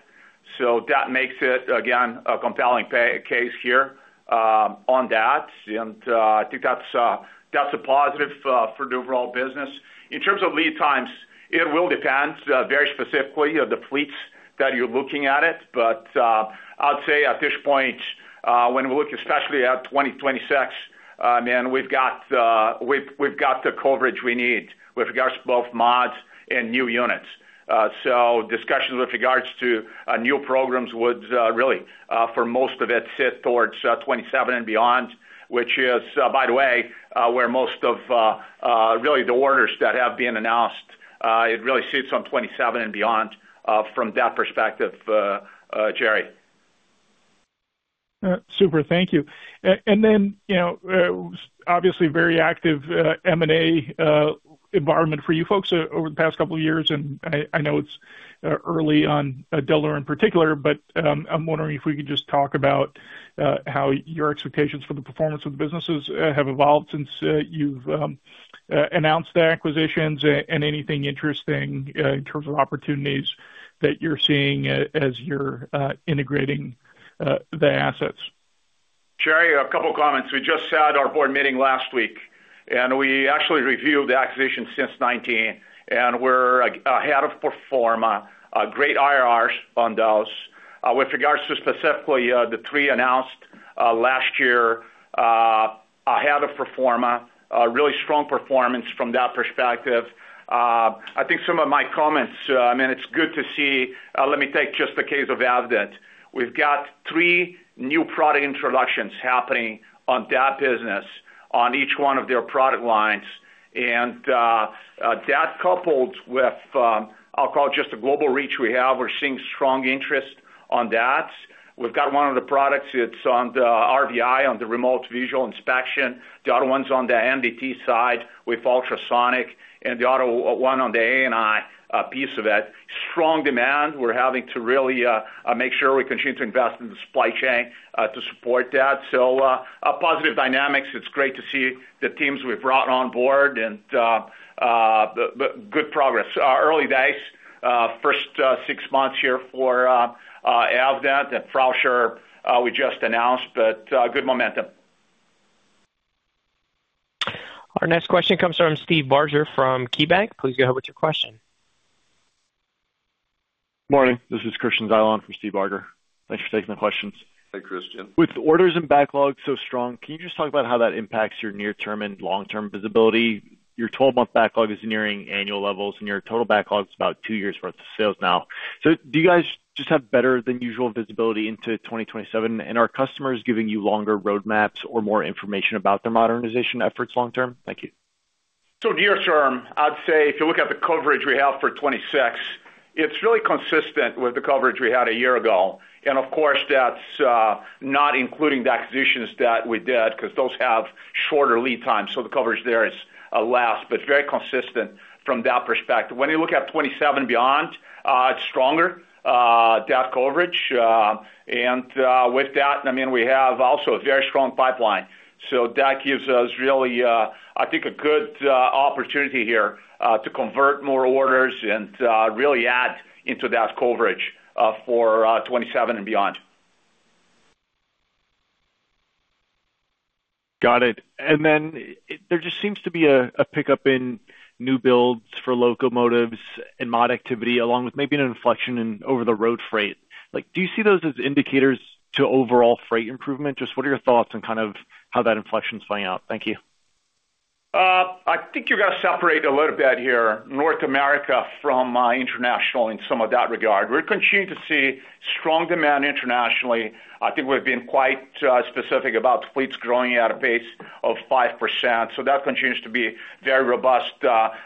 so that makes it, again, a compelling case here on that. And I think that's a positive for the overall business. In terms of lead times, it will depend very specifically on the fleets that you're looking at it. But I'd say at this point, when we look especially at 2026, I mean, we've got the coverage we need with regards to both mods and new units. So discussions with regards to new programs would really, for most of it, sit towards 2027 and beyond, which is, by the way, where most of really the orders that have been announced, it really sits on 2027 and beyond from that perspective, Jerry. Super. Thank you. And then obviously, very active M&A environment for you folks over the past couple of years. And I know it's early on Dellner in particular, but I'm wondering if we could just talk about how your expectations for the performance of the businesses have evolved since you've announced the acquisitions and anything interesting in terms of opportunities that you're seeing as you're integrating the assets. Jerry, a couple of comments. We just had our board meeting last week, and we actually reviewed the acquisitions since 2019, and we're ahead of pro forma, great IRRs on those. With regards to specifically the three announced last year, ahead of pro forma, really strong performance from that perspective. I think some of my comments, I mean, it's good to see. Let me take just the case of Evident. We've got three new product introductions happening on that business on each one of their product lines. And that coupled with, I'll call it, just the global reach we have, we're seeing strong interest on that. We've got one of the products, it's on the RVI, on the remote visual inspection. The other one's on the NDT side with ultrasonic and the other one on the ANI piece of it. Strong demand. We're having to really make sure we continue to invest in the supply chain to support that. So positive dynamics. It's great to see the teams we've brought on board and good progress. Early days, first six months here for Evident and Frauscher, we just announced, but good momentum. Our next question comes from Steve Barger from KeyBanc. Please go ahead with your question. Morning. This is Christian Zyla on for Steve Barger. Thanks for taking the questions. Hey, Christian. With orders and backlog so strong, can you just talk about how that impacts your near-term and long-term visibility? Your 12-month backlog is nearing annual levels, and your total backlog is about two years' worth of sales now. So do you guys just have better than usual visibility into 2027, and are customers giving you longer roadmaps or more information about their modernization efforts long-term? Thank you. So near-term, I'd say if you look at the coverage we have for 2026, it's really consistent with the coverage we had a year ago. And of course, that's not including the acquisitions that we did because those have shorter lead times, so the coverage there is less, but very consistent from that perspective. When you look at 2027 and beyond, it's stronger, that coverage. And with that, I mean, we have also a very strong pipeline. So that gives us really, I think, a good opportunity here to convert more orders and really add into that coverage for 2027 and beyond. Got it. And then there just seems to be a pickup in new builds for locomotives and mod activity along with maybe an inflection over the road freight. Do you see those as indicators to overall freight improvement? Just what are your thoughts on kind of how that inflection's playing out? Thank you. I think you've got to separate a little bit here, North America, from international in some of that regard. We're continuing to see strong demand internationally. I think we've been quite specific about fleets growing at a pace of 5%. So that continues to be very robust.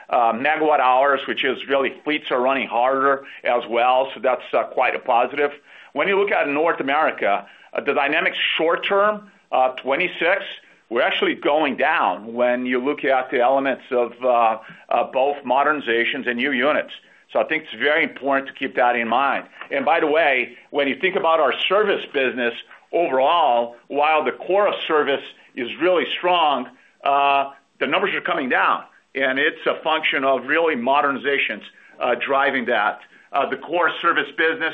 Megawatt-hours, which is really fleets are running harder as well, so that's quite a positive. When you look at North America, the dynamics short-term, 2026, we're actually going down when you look at the elements of both modernizations and new units. So I think it's very important to keep that in mind. And by the way, when you think about our service business overall, while the core of service is really strong, the numbers are coming down, and it's a function of really modernizations driving that. The core service business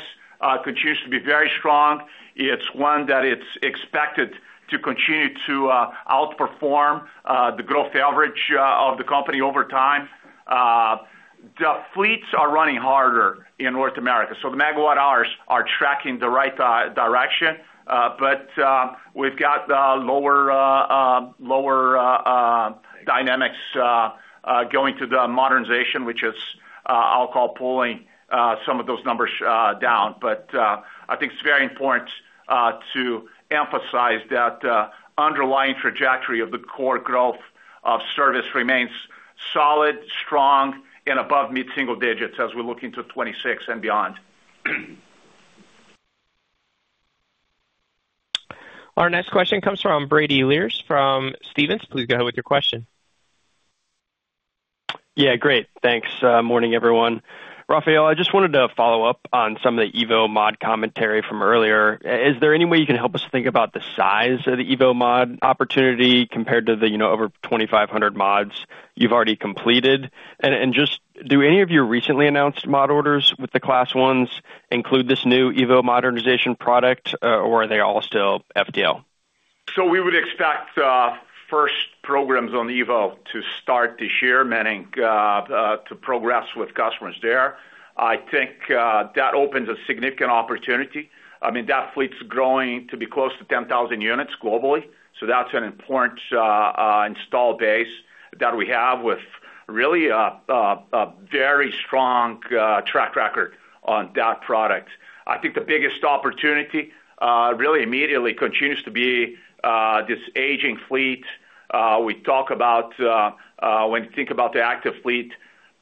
continues to be very strong. It's one that it's expected to continue to outperform the growth average of the company over time. The fleets are running harder in North America. So the megawatt-hours are tracking the right direction, but we've got lower dynamics going to the modernization, which is, I'll call it, pulling some of those numbers down. But I think it's very important to emphasize that underlying trajectory of the core growth of service remains solid, strong, and above mid-single digits as we look into 2026 and beyond. Our next question comes from Brady Lierz from Stephens. Please go ahead with your question. Yeah, great. Thanks. Morning, everyone. Rafael, I just wanted to follow up on some of the EVO mod commentary from earlier. Is there any way you can help us think about the size of the EVO mod opportunity compared to the over 2,500 mods you've already completed? And just do any of your recently announced mod orders with the Class 1s include this new EVO modernization product, or are they all still FDL? So we would expect first programs on EVO to start this year, meaning to progress with customers there. I think that opens a significant opportunity. I mean, that fleet's growing to be close to 10,000 units globally, so that's an important install base that we have with really a very strong track record on that product. I think the biggest opportunity really immediately continues to be this aging fleet. We talk about when you think about the active fleet,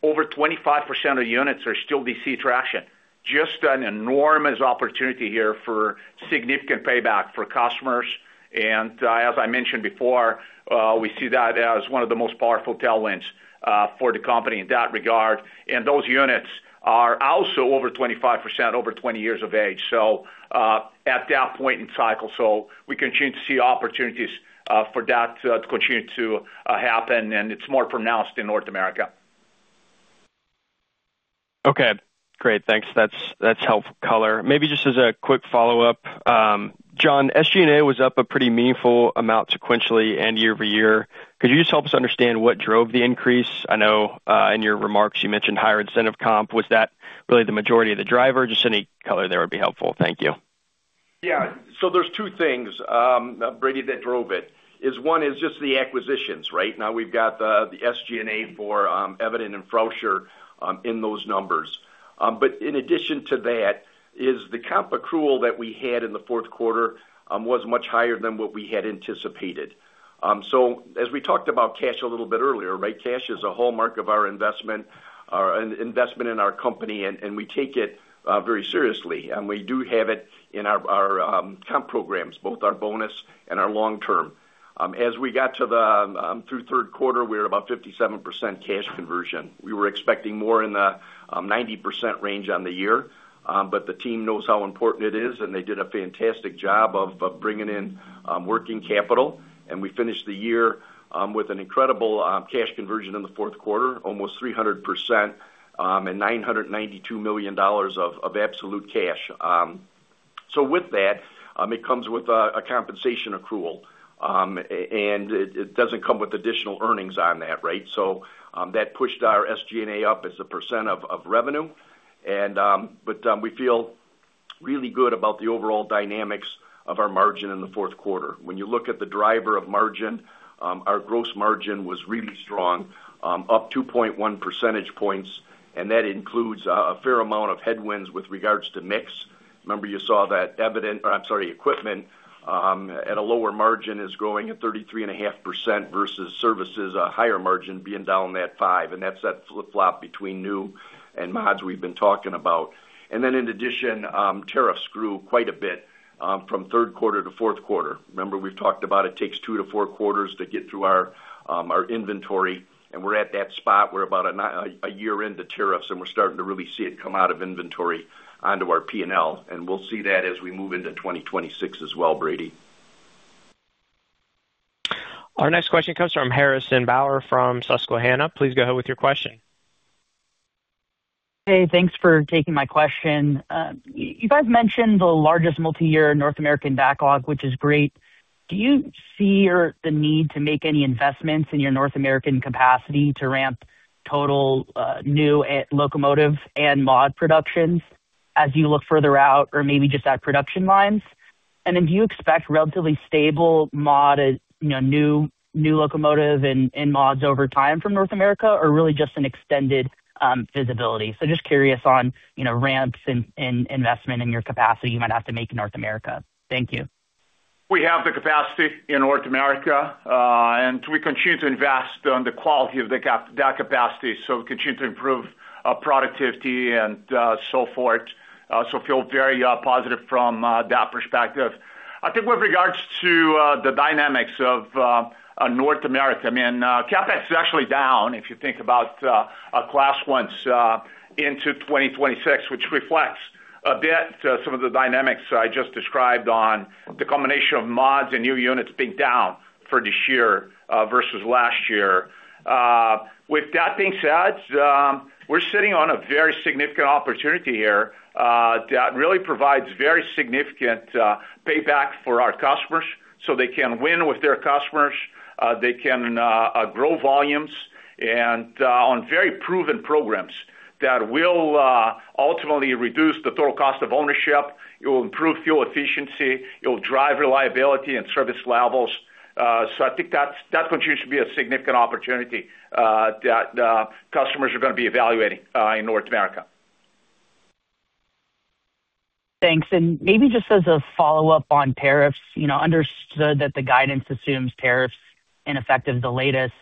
over 25% of units are still DC traction. Just an enormous opportunity here for significant payback for customers. As I mentioned before, we see that as one of the most powerful tailwinds for the company in that regard. Those units are also over 25%, over 20 years of age, so at that point in cycle. We continue to see opportunities for that to continue to happen, and it's more pronounced in North America. Okay. Great. Thanks. That's helpful color. Maybe just as a quick follow-up, John, SG&A was up a pretty meaningful amount sequentially and year-over-year. Could you just help us understand what drove the increase? I know in your remarks, you mentioned higher incentive comp. Was that really the majority of the driver? Just any color there would be helpful. Thank you. Yeah. So there's two things, Brady, that drove it. One is just the acquisitions, right? Now, we've got the SG&A for Evident and Frauscher in those numbers. But in addition to that, the comp accrual that we had in the fourth quarter was much higher than what we had anticipated. So as we talked about cash a little bit earlier, right, cash is a hallmark of our investment in our company, and we take it very seriously. And we do have it in our comp programs, both our bonus and our long-term. As we got to through the third quarter, we were about 57% cash conversion. We were expecting more in the 90% range on the year, but the team knows how important it is, and they did a fantastic job of bringing in working capital. And we finished the year with an incredible cash conversion in the fourth quarter, almost 300% and $992 million of absolute cash. So with that, it comes with a compensation accrual, and it doesn't come with additional earnings on that, right? So that pushed our SG&A up as a percent of revenue. But we feel really good about the overall dynamics of our margin in the fourth quarter. When you look at the driver of margin, our gross margin was really strong, up 2.1 percentage points, and that includes a fair amount of headwinds with regards to mix. Remember, you saw that Evident or, I'm sorry, equipment at a lower margin is growing at 33.5% versus services, a higher margin being down that 5%, and that's that flip-flop between new and mods we've been talking about. And then in addition, tariffs grew quite a bit from third quarter to fourth quarter. Remember, we've talked about it takes 2-4 quarters to get through our inventory, and we're at that spot. We're about a year into tariffs, and we're starting to really see it come out of inventory onto our P&L. And we'll see that as we move into 2026 as well, Brady. Our next question comes from Harrison Baier from Susquehanna. Please go ahead with your question. Hey, thanks for taking my question. You guys mentioned the largest multiyear North American backlog, which is great. Do you see the need to make any investments in your North American capacity to ramp total new locomotive and mod productions as you look further out or maybe just at production lines? And then do you expect relatively stable mod, new locomotive and mods over time from North America, or really just an extended visibility? So just curious on ramps and investment in your capacity you might have to make in North America. Thank you. We have the capacity in North America, and we continue to invest on the quality of that capacity. So we continue to improve productivity and so forth. So feel very positive from that perspective. I think with regards to the dynamics of North America, I mean, CapEx is actually down if you think about Class 1s into 2026, which reflects a bit some of the dynamics I just described on the combination of mods and new units being down for this year versus last year. With that being said, we're sitting on a very significant opportunity here that really provides very significant payback for our customers so they can win with their customers. They can grow volumes on very proven programs that will ultimately reduce the total cost of ownership. It will improve fuel efficiency. It will drive reliability and service levels. So I think that continues to be a significant opportunity that customers are going to be evaluating in North America. Thanks. And maybe just as a follow-up on tariffs, understood that the guidance assumes tariffs in effect of the latest.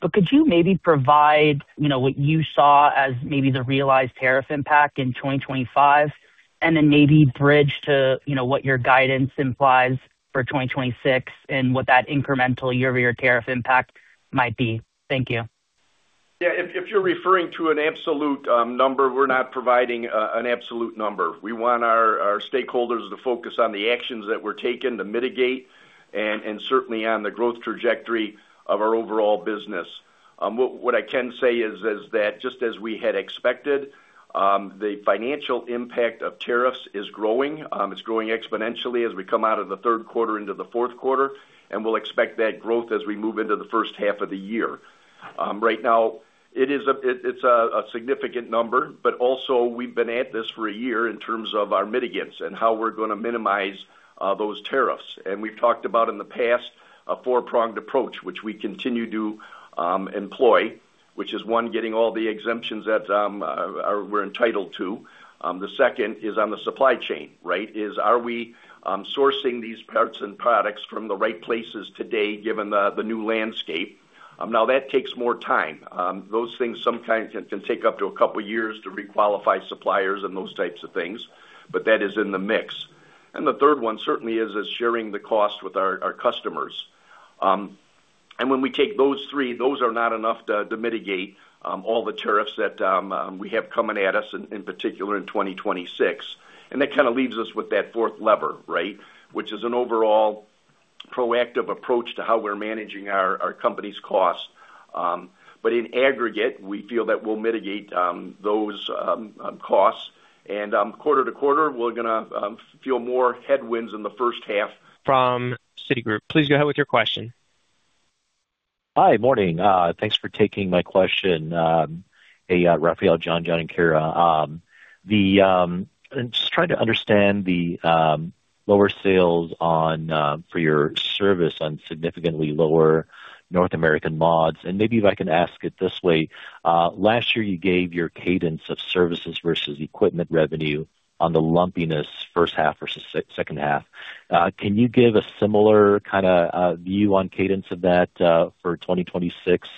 But could you maybe provide what you saw as maybe the realized tariff impact in 2025 and then maybe bridge to what your guidance implies for 2026 and what that incremental year-over-year tariff impact might be? Thank you. Yeah. If you're referring to an absolute number, we're not providing an absolute number. We want our stakeholders to focus on the actions that we're taking to mitigate and certainly on the growth trajectory of our overall business. What I can say is that just as we had expected, the financial impact of tariffs is growing. It's growing exponentially as we come out of the third quarter into the fourth quarter, and we'll expect that growth as we move into the first half of the year. Right now, it's a significant number, but also, we've been at this for a year in terms of our mitigants and how we're going to minimize those tariffs. And we've talked about in the past a four-pronged approach, which we continue to employ, which is, one, getting all the exemptions that we're entitled to. The second is on the supply chain, right? Are we sourcing these parts and products from the right places today given the new landscape? Now, that takes more time. Those things sometimes can take up to a couple of years to requalify suppliers and those types of things, but that is in the mix. And the third one certainly is sharing the cost with our customers. And when we take those three, those are not enough to mitigate all the tariffs that we have coming at us, in particular in 2026. And that kind of leaves us with that fourth lever, right, which is an overall proactive approach to how we're managing our company's cost. But in aggregate, we feel that we'll mitigate those costs. And quarter to quarter, we're going to feel more headwinds in the first half. From Citigroup. Please go ahead with your question. Hi. Morning. Thanks for taking my question, Rafael, John, John, and Kyra. I'm just trying to understand the lower sales for your service on significantly lower North American mods. And maybe if I can ask it this way, last year, you gave your cadence of services versus equipment revenue on the lumpiness first half versus second half. Can you give a similar kind of view on cadence of that for 2026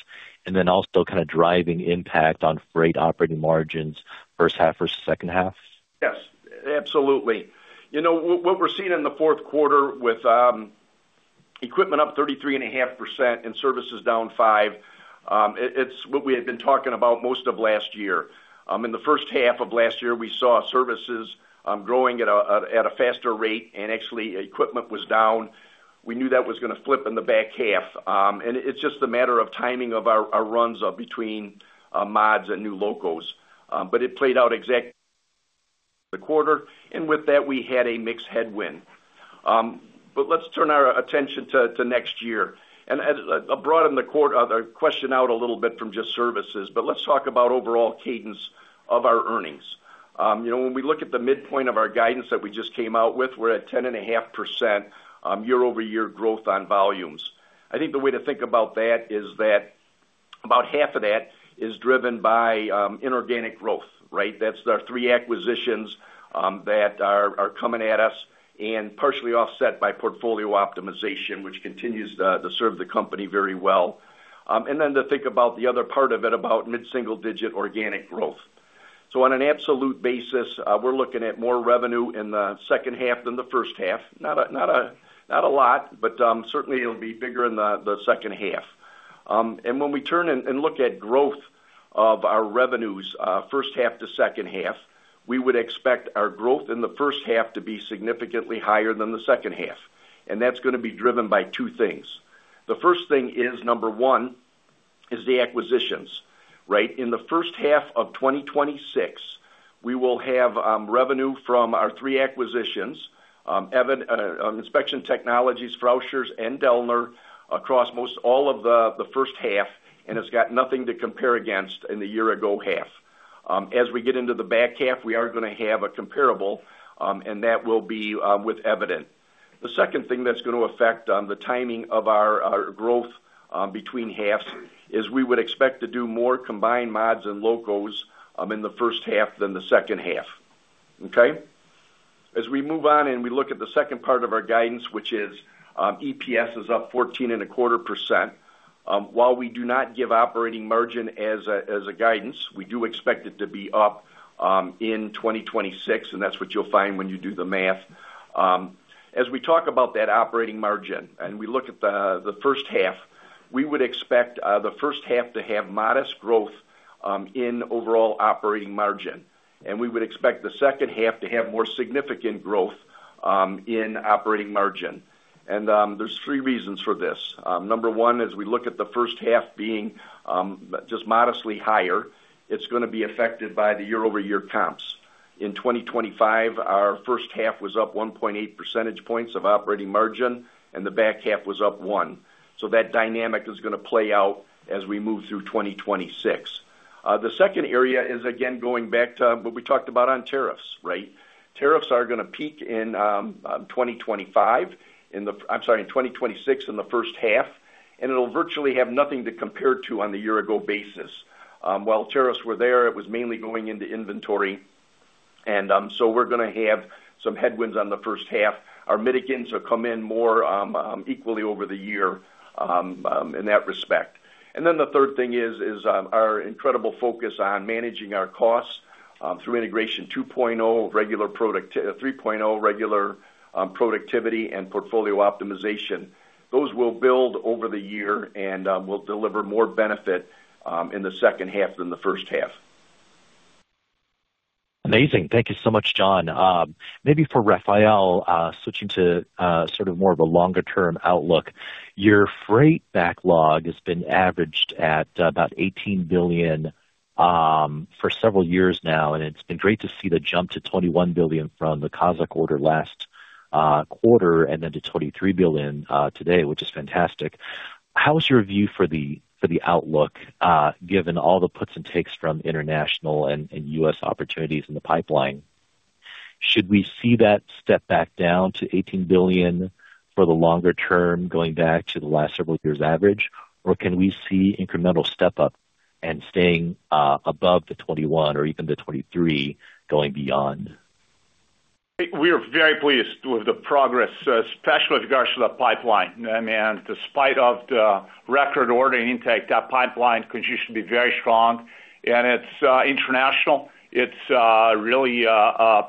and then also kind of driving impact on freight operating margins first half versus second half? Yes. Absolutely. What we're seeing in the fourth quarter with equipment up 33.5% and services down 5%, it's what we had been talking about most of last year. In the first half of last year, we saw services growing at a faster rate, and actually, equipment was down. We knew that was going to flip in the back half. And it's just a matter of timing of our runs between mods and new locos. But it played out exactly the quarter. And with that, we had a mix headwind. But let's turn our attention to next year. I broadened the question out a little bit from just services, but let's talk about overall cadence of our earnings. When we look at the midpoint of our guidance that we just came out with, we're at 10.5% year-over-year growth on volumes. I think the way to think about that is that about half of that is driven by inorganic growth, right? That's our three acquisitions that are coming at us and partially offset by portfolio optimization, which continues to serve the company very well. And then to think about the other part of it, about mid-single digit organic growth. So on an absolute basis, we're looking at more revenue in the second half than the first half. Not a lot, but certainly, it'll be bigger in the second half. When we turn and look at growth of our revenues, first half to second half, we would expect our growth in the first half to be significantly higher than the second half. And that's going to be driven by two things. The first thing is, number one, is the acquisitions, right? In the first half of 2026, we will have revenue from our three acquisitions, Inspection Technologies, Frauscher, and Dellner across all of the first half, and it's got nothing to compare against in the year-ago half. As we get into the back half, we are going to have a comparable, and that will be with Evident. The second thing that's going to affect the timing of our growth between halves is we would expect to do more combined mods and locos in the first half than the second half, okay? As we move on and we look at the second part of our guidance, which is EPS up 14.25%. While we do not give operating margin as guidance, we do expect it to be up in 2026, and that's what you'll find when you do the math. As we talk about that operating margin and we look at the first half, we would expect the first half to have modest growth in overall operating margin. We would expect the second half to have more significant growth in operating margin. There's three reasons for this. Number one, as we look at the first half being just modestly higher, it's going to be affected by the year-over-year comps. In 2025, our first half was up 1.8 percentage points of operating margin, and the back half was up 1. So that dynamic is going to play out as we move through 2026. The second area is, again, going back to what we talked about on tariffs, right? Tariffs are going to peak in 2025 in the I'm sorry, in 2026 in the first half, and it'll virtually have nothing to compare to on the year-ago basis. While tariffs were there, it was mainly going into inventory. And so we're going to have some headwinds on the first half. Our mitigants will come in more equally over the year in that respect. And then the third thing is our incredible focus on managing our costs through Integration 2.0, 3.0 regular productivity, and portfolio optimization. Those will build over the year and will deliver more benefit in the second half than the first half. Amazing. Thank you so much, John. Maybe for Rafael, switching to sort of more of a longer-term outlook, your freight backlog has been averaged at about $18 billion for several years now, and it's been great to see the jump to $21 billion from the Kazakh order last quarter and then to $23 billion today, which is fantastic. How is your view for the outlook given all the puts and takes from international and U.S. opportunities in the pipeline? Should we see that step back down to $18 billion for the longer term going back to the last several years' average, or can we see incremental step-ups and staying above the $21 billion or even the $23 billion going beyond? We are very pleased with the progress, especially with regards to the pipeline. I mean, despite the record order intake, that pipeline continues to be very strong. It's international. It's really a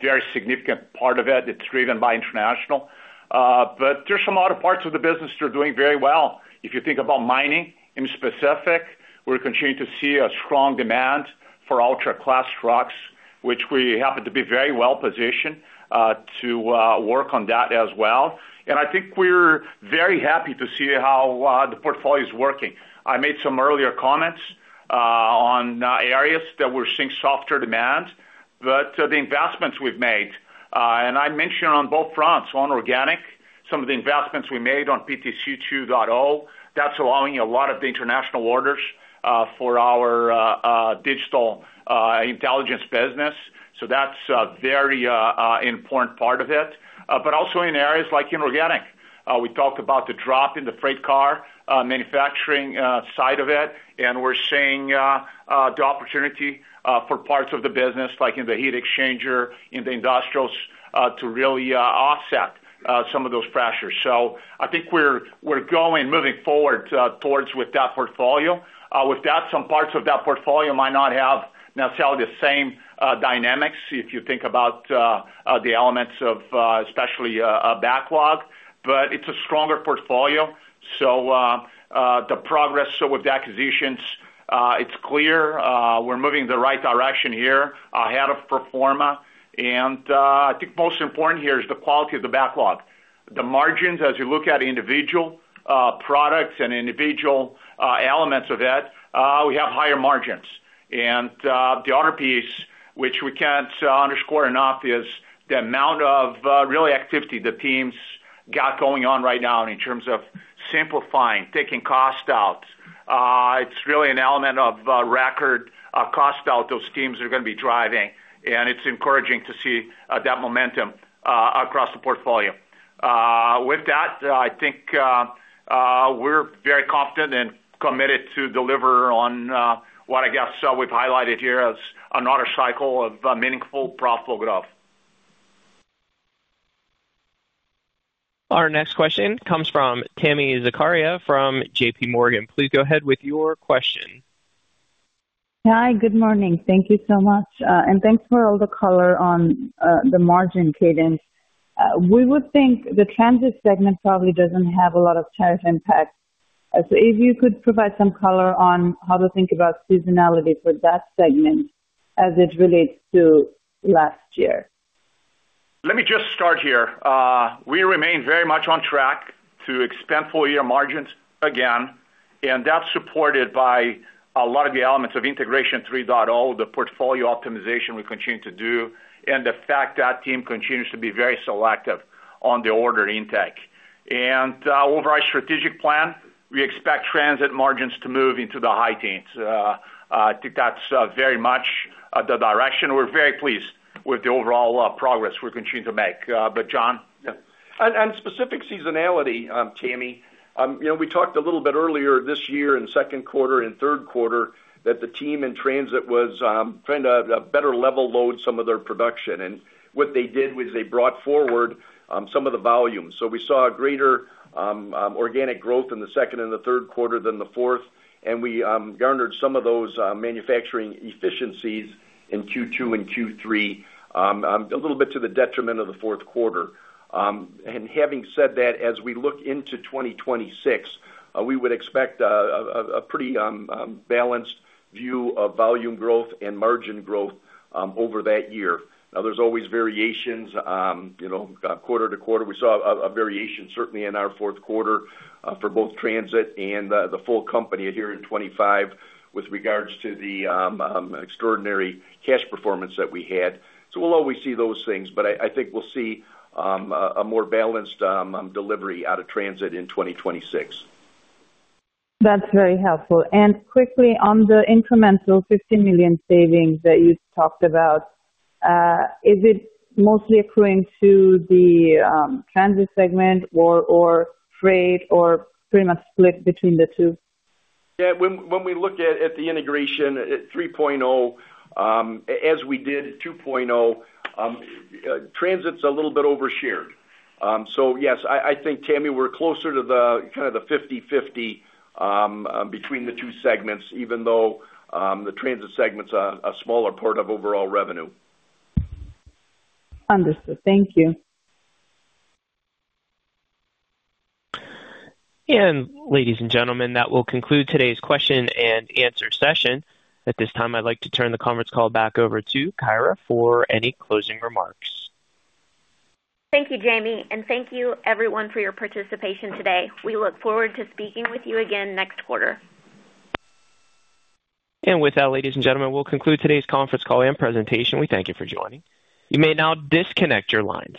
very significant part of it. It's driven by international. But there's some other parts of the business that are doing very well. If you think about mining in specific, we're continuing to see a strong demand for ultra-class trucks, which we happen to be very well positioned to work on that as well. And I think we're very happy to see how the portfolio is working. I made some earlier comments on areas that we're seeing softer demand, but the investments we've made and I mentioned on both fronts, on organic, some of the investments we made on PTC 2.0, that's allowing a lot of the international orders for our Digital Intelligence business. So that's a very important part of it. But also in areas like inorganic, we talked about the drop in the freight car manufacturing side of it, and we're seeing the opportunity for parts of the business, like in the heat exchanger in the industrials, to really offset some of those pressures. So I think we're moving forward towards with that portfolio. With that, some parts of that portfolio might not have necessarily the same dynamics if you think about the elements of especially backlog, but it's a stronger portfolio. So the progress with the acquisitions, it's clear. We're moving in the right direction here ahead of performance. And I think most important here is the quality of the backlog. The margins, as you look at individual products and individual elements of it, we have higher margins. The other piece, which we can't underscore enough, is the amount of real activity the teams got going on right now in terms of simplifying, taking cost out. It's really an element of record cost out those teams are going to be driving. And it's encouraging to see that momentum across the portfolio. With that, I think we're very confident and committed to deliver on what I guess we've highlighted here as another cycle of meaningful profitable growth. Our next question comes from Tami Zakaria from J.P. Morgan. Please go ahead with your question. Hi. Good morning. Thank you so much. And thanks for all the color on the margin cadence. We would think the transit segment probably doesn't have a lot of tariff impact. So if you could provide some color on how to think about seasonality for that segment as it relates to last year. Let me just start here. We remain very much on track to expand full-year margins again, and that's supported by a lot of the elements of Integration 3.0, the portfolio optimization we continue to do, and the fact that team continues to be very selective on the order intake. And over our strategic plan, we expect transit margins to move into the high teens. I think that's very much the direction. We're very pleased with the overall progress we're continuing to make. But John? Yeah. And specific seasonality, Tami. We talked a little bit earlier this year in second quarter and third quarter that the team in transit was trying to better level load some of their production. And what they did was they brought forward some of the volumes. So we saw greater organic growth in the second and the third quarter than the fourth, and we garnered some of those manufacturing efficiencies in Q2 and Q3, a little bit to the detriment of the fourth quarter. And having said that, as we look into 2026, we would expect a pretty balanced view of volume growth and margin growth over that year. Now, there's always variations quarter to quarter. We saw a variation, certainly, in our fourth quarter for both transit and the full company here in 2025 with regards to the extraordinary cash performance that we had. So we'll always see those things, but I think we'll see a more balanced delivery out of transit in 2026. That's very helpful. And quickly, on the incremental $15 million savings that you talked about, is it mostly accruing to the transit segment or freight or pretty much split between the two? Yeah. When we look at the integration at 3.0, as we did 2.0, transit's a little bit overshared. So yes, I think, Tami, we're closer to kind of the 50/50 between the two segments, even though the transit segment's a smaller part of overall revenue. Understood. Thank you. And ladies and gentlemen, that will conclude today's question and answer session. At this time, I'd like to turn the conference call back over to Kyra for any closing remarks. Thank you, Jamie. And thank you, everyone, for your participation today. We look forward to speaking with you again next quarter. And with that, ladies and gentlemen, we'll conclude today's conference call and presentation. We thank you for joining. You may now disconnect your lines.